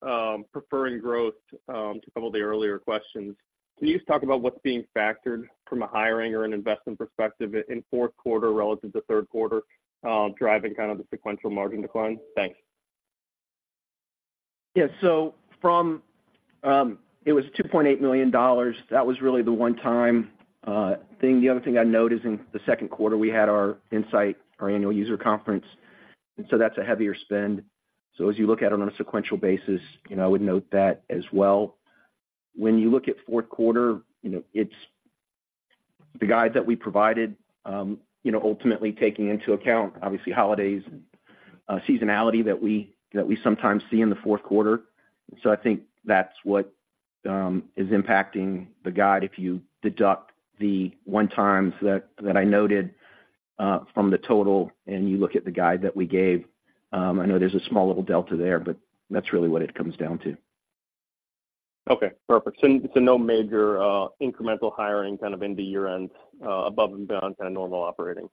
preferring growth to couple the earlier questions. Can you just talk about what's being factored from a hiring or an investment perspective in fourth quarter relative to third quarter driving kind of the sequential margin decline? Thanks.
Yeah. So from, it was $2.8 million. That was really the one-time thing. The other thing I'd note is in the second quarter, we had our nSight, our annual user conference, and so that's a heavier spend. So as you look at it on a sequential basis, you know, I would note that as well. When you look at fourth quarter, you know, it's the guide that we provided, you know, ultimately taking into account, obviously, holidays and, seasonality that we, that we sometimes see in the fourth quarter. So I think that's what is impacting the guide if you deduct the 1x that I noted, from the total, and you look at the guide that we gave. I know there's a small little delta there, but that's really what it comes down to.
Okay, perfect. So no major, incremental hiring kind of into year-end, above and beyond kind of normal operating?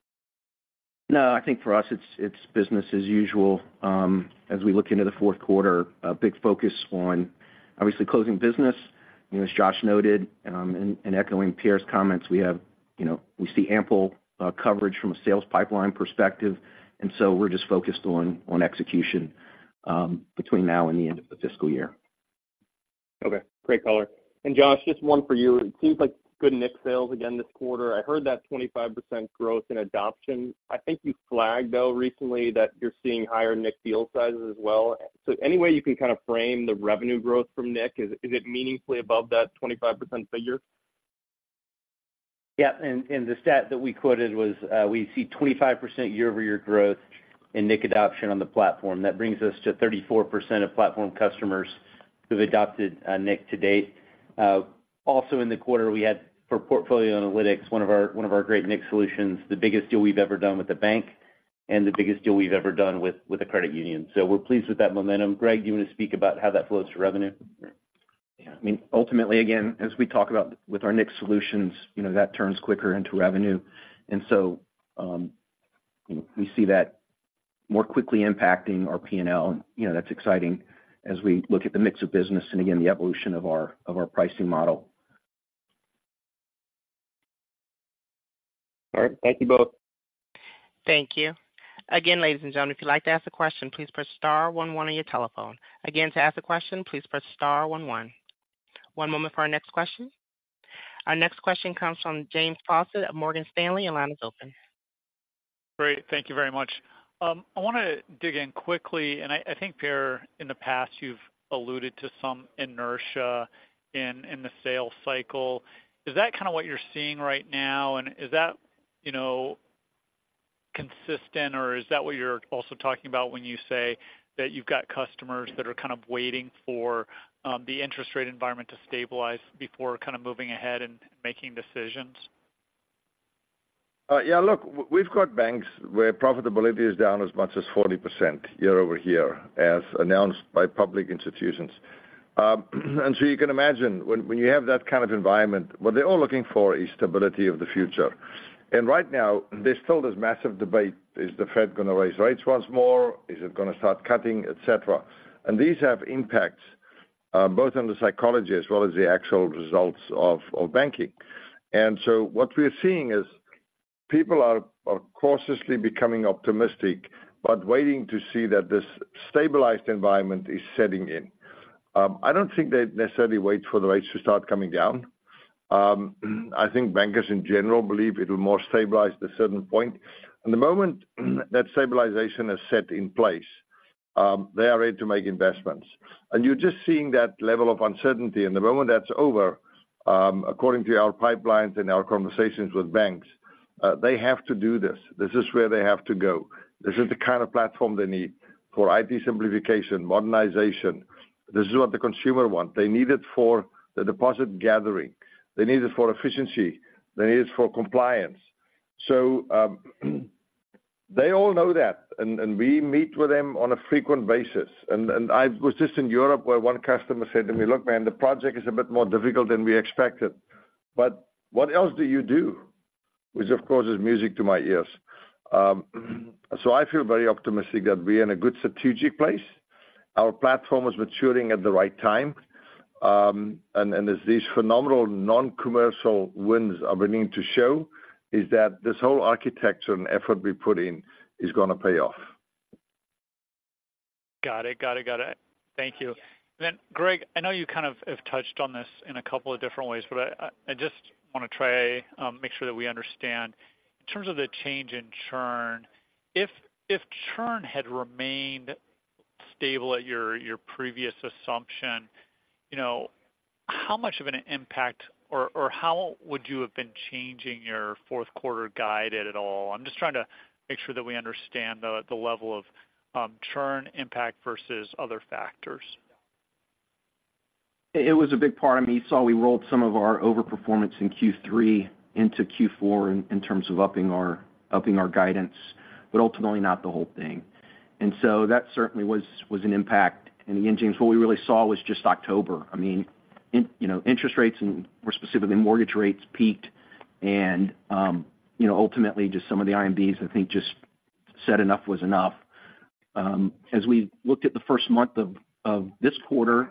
No, I think for us it's business as usual. As we look into the fourth quarter, a big focus on obviously closing business. You know, as Josh noted, echoing Pierre's comments, we have, you know, we see ample coverage from a sales pipeline perspective, and so we're just focused on execution, between now and the end of the fiscal year.
Okay. Great color. Josh, just one for you. It seems like good nIQ sales again this quarter. I heard that 25% growth in adoption. I think you flagged, though, recently that you're seeing higher nIQ deal sizes as well. So any way you can kind of frame the revenue growth from nIQ, is it meaningfully above that 25% figure?
Yeah, and, and the stat that we quoted was, we see 25% year-over-year growth in nIQ adoption on the platform. That brings us to 34% of platform customers who've adopted, nIQ to date. Also in the quarter, we had for portfolio analytics, one of our, one of our great nIQ solutions, the biggest deal we've ever done with the bank and the biggest deal we've ever done with, with a credit union. So we're pleased with that momentum. Greg, do you want to speak about how that flows to revenue?
Yeah. I mean, ultimately, again, as we talk about with our nIQ solutions, you know, that turns quicker into revenue. And so, we see that more quickly impacting our PNL, and, you know, that's exciting as we look at the mix of business and again, the evolution of our, of our pricing model.
All right. Thank you both.
Thank you. Again, ladies and gentlemen, if you'd like to ask a question, please press star one one on your telephone. Again, to ask a question, please press star one one. One moment for our next question. Our next question comes from James Faucette at Morgan Stanley. Your line is open.
Great, thank you very much. I want to dig in quickly, and I think, Pierre, in the past, you've alluded to some inertia in the sales cycle. Is that kind of what you're seeing right now? And is that, you know, consistent, or is that what you're also talking about when you say that you've got customers that are kind of waiting for the interest rate environment to stabilize before kind of moving ahead and making decisions?
Yeah, look, we've got banks where profitability is down as much as 40% year-over-year, as announced by public institutions. And so you can imagine when you have that kind of environment, what they're all looking for is stability of the future. And right now, there's still this massive debate: Is the Fed going to raise rates once more? Is it going to start cutting, et cetera? And these have impacts both on the psychology as well as the actual results of banking. And so what we're seeing is people are cautiously becoming optimistic, but waiting to see that this stabilized environment is setting in. I don't think they'd necessarily wait for the rates to start coming down. I think bankers in general believe it will more stabilize at a certain point. The moment that stabilization is set in place, they are ready to make investments. You're just seeing that level of uncertainty, and the moment that's over, according to our pipelines and our conversations with banks, they have to do this. This is where they have to go. This is the kind of platform they need for IT simplification, modernization. This is what the consumer want. They need it for the deposit gathering. They need it for efficiency. They need it for compliance. So, they all know that, and we meet with them on a frequent basis. I was just in Europe, where one customer said to me, "Look, man, the project is a bit more difficult than we expected, but what else do you do?" Which, of course, is music to my ears. I feel very optimistic that we're in a good strategic place. Our platform is maturing at the right time, and as these phenomenal non-commercial wins are beginning to show, is that this whole architecture and effort we put in is going to pay off.
Got it. Thank you. Then, Greg, I know you kind of have touched on this in a couple of different ways, but I just want to try to make sure that we understand. In terms of the change in churn, if churn had remained stable at your previous assumption, you know, how much of an impact or how would you have been changing your fourth quarter guide at all? I'm just trying to make sure that we understand the level of churn impact versus other factors.
It was a big part. I mean, you saw we rolled some of our overperformance in Q3 into Q4 in terms of upping our guidance, but ultimately, not the whole thing. And so that certainly was an impact. And again, James, what we really saw was just October. I mean, in you know, interest rates and more specifically, mortgage rates peaked and, you know, ultimately, just some of the IMBs, I think, just said enough was enough. As we looked at the first month of this quarter,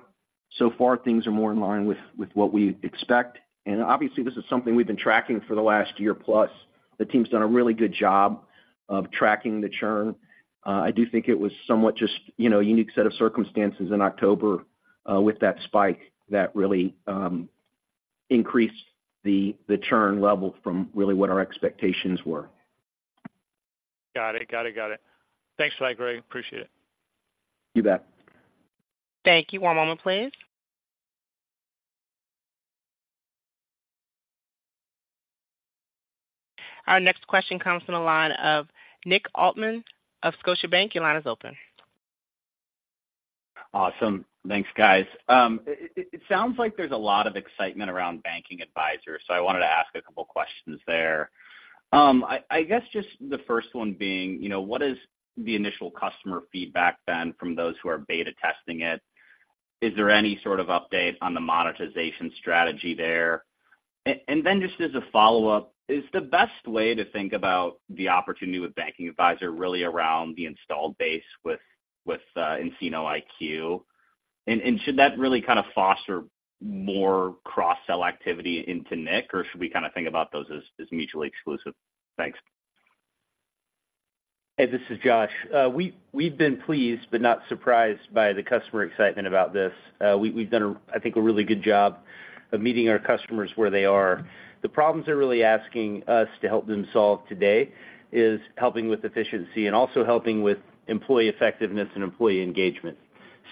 so far, things are more in line with what we expect. And obviously, this is something we've been tracking for the last year plus. The team's done a really good job of tracking the churn. I do think it was somewhat just, you know, a unique set of circumstances in October, with that spike that really increased the churn level from really what our expectations were.
Got it. Thanks for that, Greg. Appreciate it.
You bet.
Thank you. One moment, please. Our next question comes from the line of Nick Altman of Scotiabank. Your line is open.
Awesome. Thanks, guys. It sounds like there's a lot of excitement around Banking Advisor, so I wanted to ask a couple questions there. I guess just the first one being, you know, what is the initial customer feedback then from those who are beta testing it? Is there any sort of update on the monetization strategy there? And then just as a follow-up, is the best way to think about the opportunity with Banking Advisor really around the installed base with nCino IQ? And should that really kind of foster more cross-sell activity into nIQ, or should we kind of think about those as mutually exclusive? Thanks.
Hey, this is Josh. We've been pleased but not surprised by the customer excitement about this. We've done a, I think, a really good job of meeting our customers where they are. The problems they're really asking us to help them solve today is helping with efficiency and also helping with employee effectiveness and employee engagement.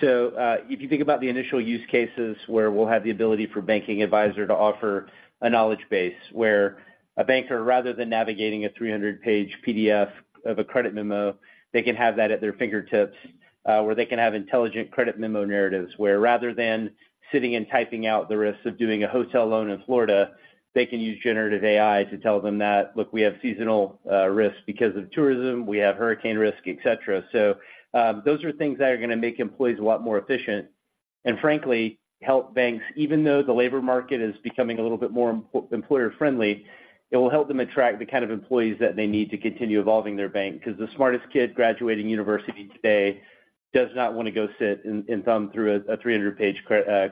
So, if you think about the initial use cases, where we'll have the ability for Banking Advisor to offer a knowledge base, where a banker, rather than navigating a 300-page PDF of a credit memo, they can have that at their fingertips, where they can have intelligent credit memo narratives, where rather than sitting and typing out the risks of doing a hotel loan in Florida, they can use generative AI to tell them that, "Look, we have seasonal risks because of tourism. We have hurricane risk, et cetera." So, those are things that are going to make employees a lot more efficient and frankly, help banks. Even though the labor market is becoming a little bit more employer friendly, it will help them attract the kind of employees that they need to continue evolving their bank, because the smartest kid graduating university today does not want to go sit and thumb through a 300-page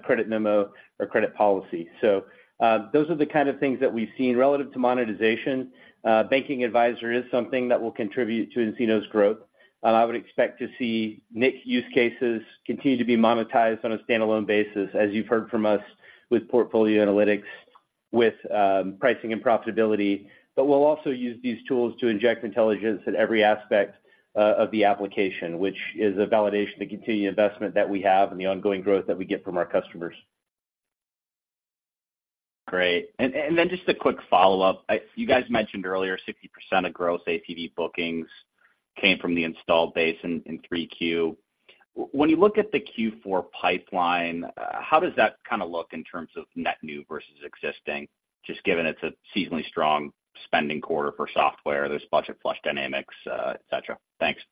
credit memo or credit policy. So, those are the kind of things that we've seen relative to monetization. Banking Advisor is something that will contribute to nCino's growth. And I would expect to see nIQ use cases continue to be monetized on a standalone basis, as you've heard from us with Portfolio Analytics. with pricing and profitability, but we'll also use these tools to inject intelligence in every aspect of the application, which is a validation to continue investment that we have and the ongoing growth that we get from our customers.
Great. And then just a quick follow-up. You guys mentioned earlier, 60% of gross APV bookings came from the installed base in Q3. When you look at the Q4 pipeline, how does that kind of look in terms of net new versus existing, just given it's a seasonally strong spending quarter for software, there's budget flush dynamics, et cetera? Thanks.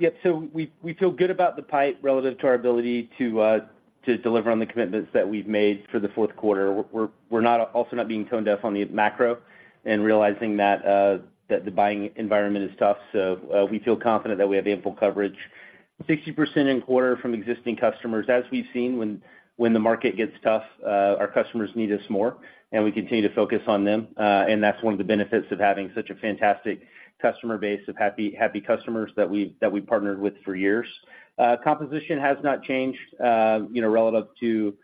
Yeah, so we feel good about the pipe relative to our ability to deliver on the commitments that we've made for the fourth quarter. We're not also not being tone deaf on the macro and realizing that the buying environment is tough. So, we feel confident that we have ample coverage. 60% in quarter from existing customers, as we've seen, when the market gets tough, our customers need us more, and we continue to focus on them. And that's one of the benefits of having such a fantastic customer base of happy, happy customers that we've partnered with for years. Composition has not changed, you know, relative to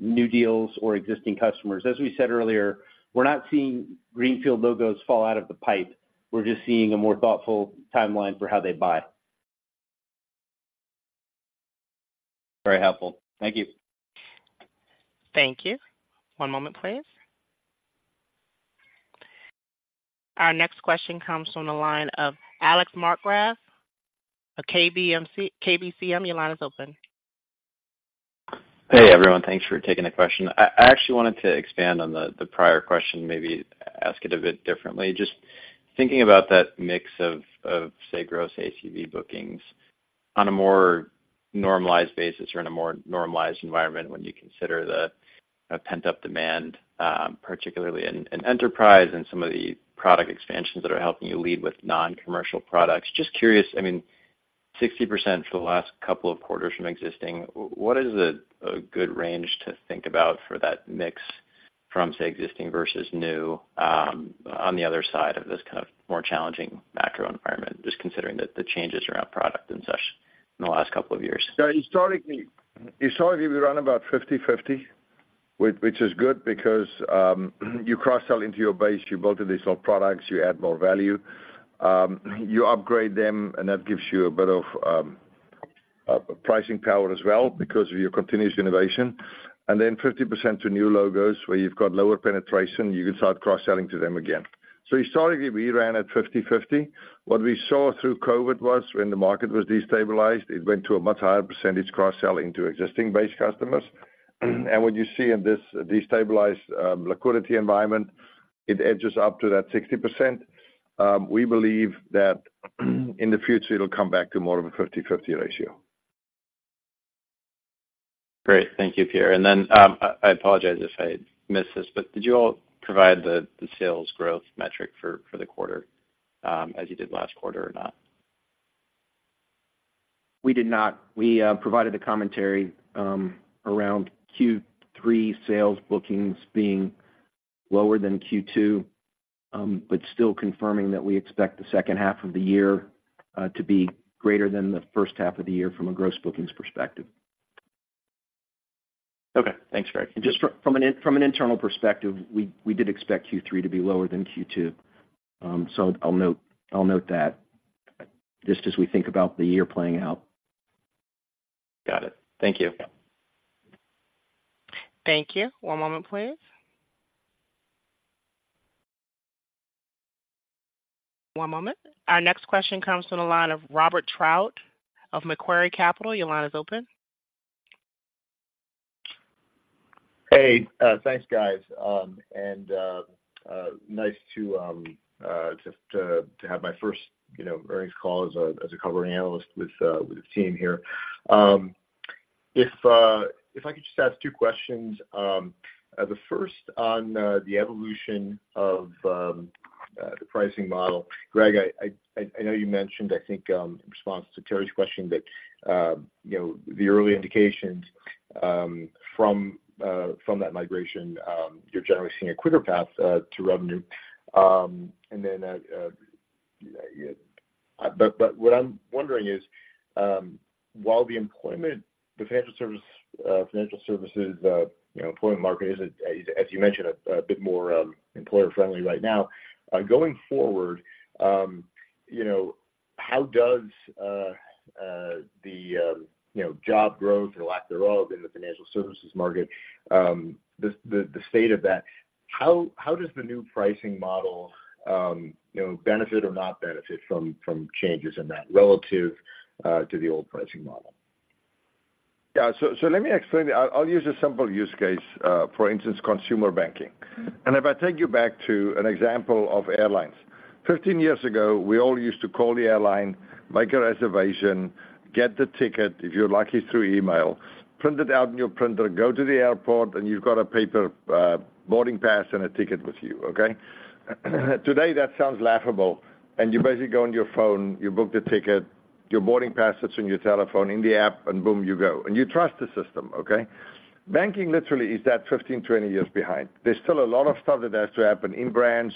new deals or existing customers. As we said earlier, we're not seeing greenfield logos fall out of the pipe. We're just seeing a more thoughtful timeline for how they buy.
Very helpful. Thank you.
Thank you. One moment, please. Our next question comes from the line of Alex Markgraff of KBCM. Your line is open.
Hey, everyone. Thanks for taking the question. I actually wanted to expand on the prior question, maybe ask it a bit differently. Just thinking about that mix of, say, gross ACV bookings on a more normalized basis or in a more normalized environment when you consider the pent up demand, particularly in enterprise and some of the product expansions that are helping you lead with non-commercial products. Just curious, I mean, 60% for the last couple of quarters from existing, what is a good range to think about for that mix from, say, existing versus new, on the other side of this kind of more challenging macro environment, just considering the changes around product and such in the last couple of years?
So historically, we run about 50/50, which is good because you cross-sell into your base, you build additional products, you add more value, you upgrade them, and that gives you a bit of pricing power as well because of your continuous innovation. And then 50% to new logos, where you've got lower penetration, you can start cross-selling to them again. So historically, we ran at 50/50. What we saw through COVID was when the market was destabilized, it went to a much higher percentage cross-sell into existing base customers. And what you see in this destabilized liquidity environment, it edges up to that 60%. We believe that, in the future, it'll come back to more of a 50/50 ratio.
Great. Thank you, Pierre. And then, I apologize if I missed this, but did you all provide the sales growth metric for the quarter as you did last quarter or not?
We did not. We provided a commentary around Q3 sales bookings being lower than Q2, but still confirming that we expect the second half of the year to be greater than the first half of the year from a gross bookings perspective.
Okay, thanks, Greg.
Just from an internal perspective, we did expect Q3 to be lower than Q2. So I'll note that just as we think about the year playing out.
Got it. Thank you.
Thank you. One moment, please. One moment. Our next question comes from the line of Robert Trout of Macquarie Capital. Your line is open.
Hey, thanks, guys. And, nice to have my first, you know, earnings call as a covering analyst with the team here. If I could just ask two questions. The first on the evolution of the pricing model. Greg, I know you mentioned, I think, in response to Terry's question, that, you know, the early indications from that migration, you're generally seeing a quicker path to revenue. And then, but what I'm wondering is, while the employment, the financial services, you know, employment market is, as you mentioned, a bit more employer-friendly right now. Going forward, you know, how does the you know, job growth or lack thereof in the financial services market, the state of that, how does the new pricing model, you know, benefit or not benefit from changes in that relative to the old pricing model?
Yeah, so, so let me explain. I, I'll use a simple use case, for instance, consumer banking. And if I take you back to an example of airlines. 15 years ago, we all used to call the airline, make a reservation, get the ticket, if you're lucky, through email, print it out in your printer, go to the airport, and you've got a paper, boarding pass and a ticket with you, okay? Today, that sounds laughable, and you basically go on your phone, you book the ticket, your boarding pass that's on your telephone in the app, and boom, you go. And you trust the system, okay? Banking literally is that 15, 20 years behind. There's still a lot of stuff that has to happen in branch.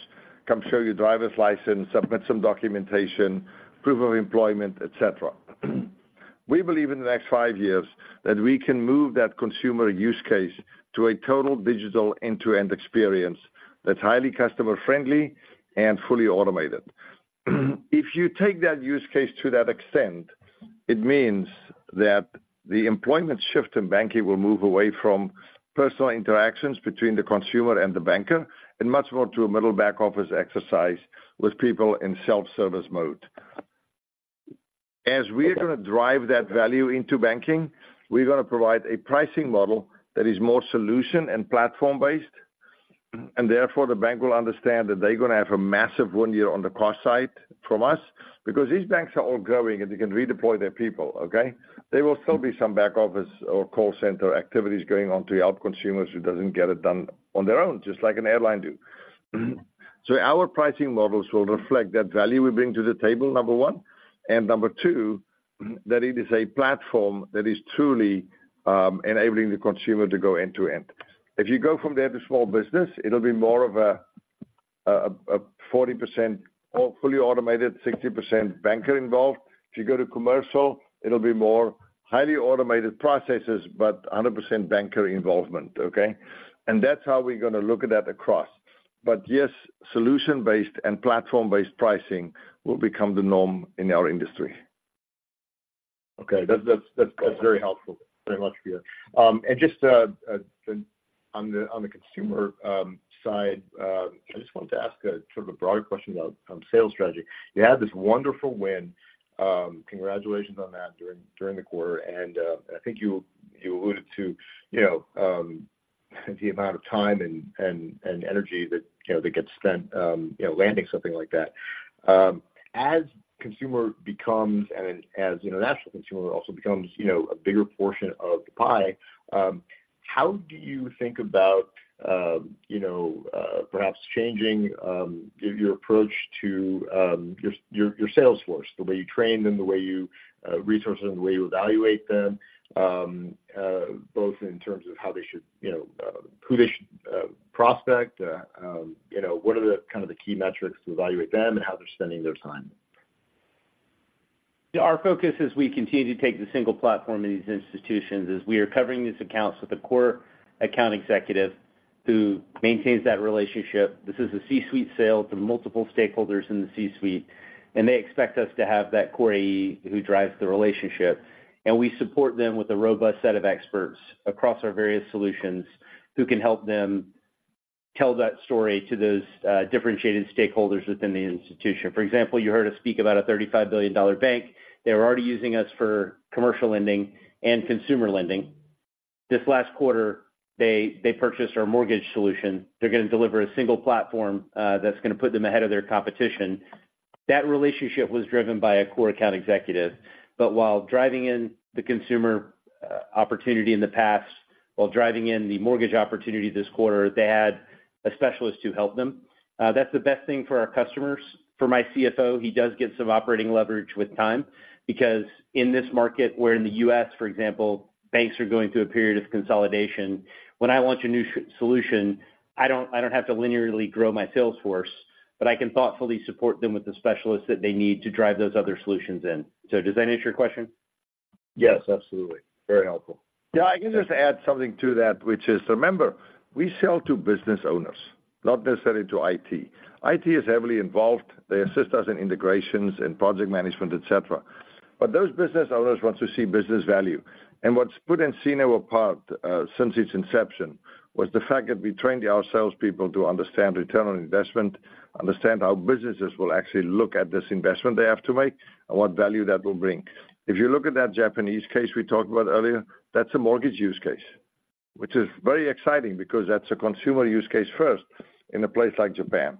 Come show your driver's license, submit some documentation, proof of employment, et cetera.... We believe in the next five years that we can move that consumer use case to a total digital end-to-end experience that's highly customer friendly and fully automated. If you take that use case to that extent, it means that the employment shift in banking will move away from personal interactions between the consumer and the banker, and much more to a middle back office exercise with people in self-service mode. As we are going to drive that value into banking, we're going to provide a pricing model that is more solution and platform-based, and therefore, the bank will understand that they're going to have a massive one year on the cost side from us, because these banks are all growing, and they can redeploy their people, okay? There will still be some back office or call center activities going on to help consumers who doesn't get it done on their own, just like an airline do. So, our pricing models will reflect that value we bring to the table, number one, and number two, that it is a platform that is truly enabling the consumer to go end to end. If you go from there to small business, it'll be more of a 40% or fully automated, 60% banker involved. If you go to commercial, it'll be more highly automated processes, but 100% banker involvement, okay? And that's how we're going to look at that across. But yes, solution-based and platform-based pricing will become the norm in our industry.
Okay. That's very helpful. Thank you very much, Pierre. And just on the consumer side, I just wanted to ask a sort of a broader question about sales strategy. You had this wonderful win, congratulations on that during the quarter, and I think you alluded to, you know, the amount of time and energy that, you know, that gets spent, you know, landing something like that. As consumer becomes and as international consumer also becomes, you know, a bigger portion of the pie, how do you think about, you know, perhaps changing your approach to your sales force, the way you train them, the way you resource them, the way you evaluate them, both in terms of how they should, you know, who they should prospect, you know, what are the kind of key metrics to evaluate them and how they're spending their time?
Our focus as we continue to take the single platform in these institutions, is we are covering these accounts with a core account executive who maintains that relationship. This is a C-suite sale to multiple stakeholders in the C-suite, and they expect us to have that core AE who drives the relationship. We support them with a robust set of experts across our various solutions, who can help them tell that story to those, differentiated stakeholders within the institution. For example, you heard us speak about a $35 billion bank. They were already using us for commercial lending and consumer lending. This last quarter, they purchased our mortgage solution. They're going to deliver a single platform, that's going to put them ahead of their competition. That relationship was driven by a core account executive. But while driving in the consumer opportunity in the past, while driving in the mortgage opportunity this quarter, they had a specialist who helped them. That's the best thing for our customers. For my CFO, he does get some operating leverage with time, because in this market, where in the U.S., for example, banks are going through a period of consolidation, when I launch a new solution, I don't, I don't have to linearly grow my sales force, but I can thoughtfully support them with the specialists that they need to drive those other solutions in. So does that answer your question?
Yes, absolutely. Very helpful.
Yeah, I can just add something to that, which is, remember, we sell to business owners, not necessarily to IT. IT is heavily involved. They assist us in integrations and project management, et cetera. But those business owners want to see business value. And what's put nCino apart, since its inception, was the fact that we trained our salespeople to understand return on investment, understand how businesses will actually look at this investment they have to make and what value that will bring. If you look at that Japanese case we talked about earlier, that's a mortgage use case, which is very exciting because that's a consumer use case first in a place like Japan.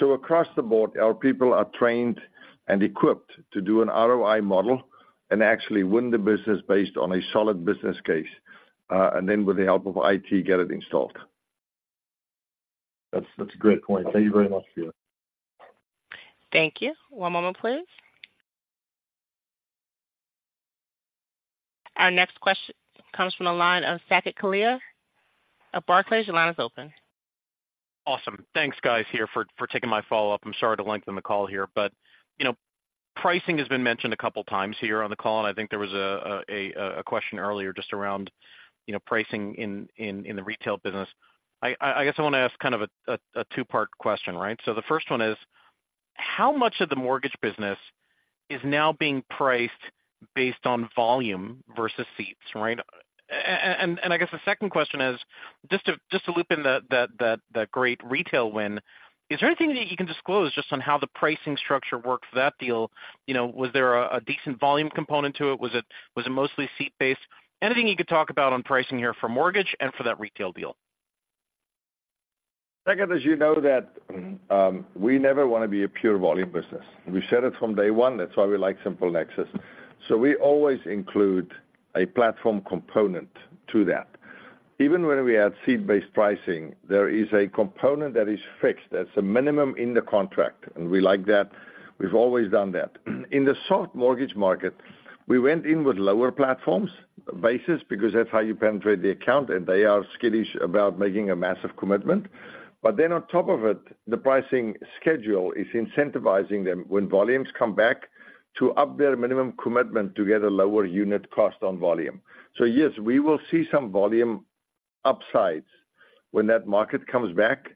So across the board, our people are trained and equipped to do an ROI model and actually win the business based on a solid business case, and then with the help of IT, get it installed.
That's a great point. Thank you very much, Pierre.
Thank you. One moment, please. Our next question comes from the line of Saket Kalia at Barclays. Your line is open.
Awesome. Thanks, guys, here for taking my follow-up. I'm sorry to lengthen the call here, but, you know, pricing has been mentioned a couple of times here on the call, and I think there was a question earlier just around, you know, pricing in the retail business. I guess I want to ask kind of a two-part question, right? So the first one is: How much of the mortgage business is now being priced based on volume versus seats, right? And I guess the second question is, just to loop in the great retail win, is there anything that you can disclose just on how the pricing structure worked for that deal? You know, was there a decent volume component to it? Was it mostly seat-based? Anything you could talk about on pricing here for mortgage and for that retail deal?
Second, as you know, that, we never want to be a pure volume business. We said it from day one. That's why we like SimpleNexus. So we always include a platform component to that. Even when we add seat-based pricing, there is a component that is fixed. That's a minimum in the contract, and we like that. We've always done that. In the soft mortgage market, we went in with lower platforms basis because that's how you penetrate the account, and they are skittish about making a massive commitment. But then on top of it, the pricing schedule is incentivizing them, when volumes come back, to up their minimum commitment to get a lower unit cost on volume. So yes, we will see some volume-... Upsides when that market comes back,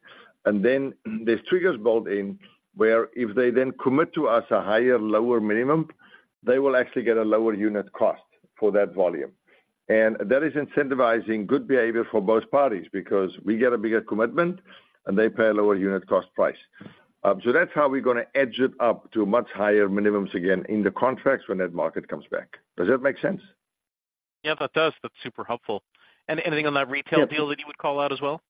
and then there's triggers built in, where if they then commit to us a higher, lower minimum, they will actually get a lower unit cost for that volume. And that is incentivizing good behavior for both parties because we get a bigger commitment, and they pay a lower unit cost price. So that's how we're gonna edge it up to much higher minimums again in the contracts when that market comes back. Does that make sense?
Yeah, that does. That's super helpful. Anything on that retail deal that you would call out as well?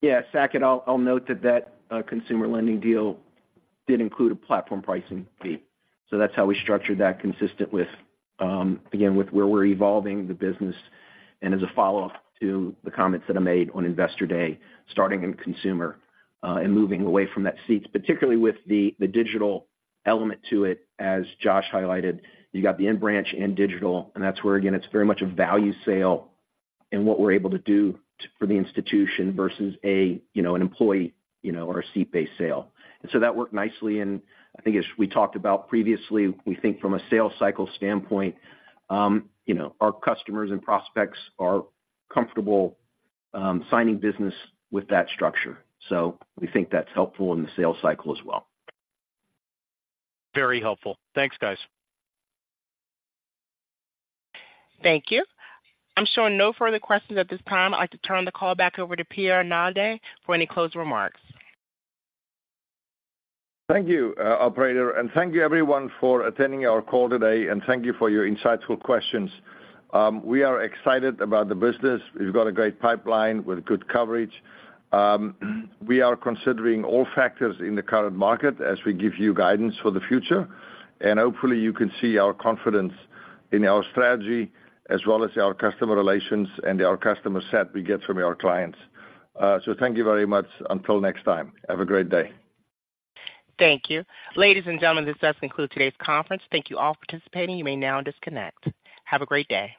Yeah, Saket, I'll note that that consumer lending deal did include a platform pricing fee. So that's how we structured that consistent with, again, with where we're evolving the business and as a follow-up to the comments that I made on Investor Day, starting in consumer, and moving away from that seat, particularly with the digital element to it, as Josh highlighted. You got the in-branch and digital, and that's where, again, it's very much a value sale and what we're able to do for the institution versus a, you know, an employee, you know, or a seat-based sale. And so that worked nicely, and I think as we talked about previously, we think from a sales cycle standpoint, you know, our customers and prospects are comfortable signing business with that structure. We think that's helpful in the sales cycle as well.
Very helpful. Thanks, guys.
Thank you. I'm showing no further questions at this time. I'd like to turn the call back over to Pierre Naudé for any closing remarks.
Thank you, operator, and thank you everyone for attending our call today, and thank you for your insightful questions. We are excited about the business. We've got a great pipeline with good coverage. We are considering all factors in the current market as we give you guidance for the future, and hopefully, you can see our confidence in our strategy as well as our customer relations and our customer set we get from our clients. So, thank you very much. Until next time, have a great day.
Thank you. Ladies and gentlemen, this does conclude today's conference. Thank you all for participating. You may now disconnect. Have a great day.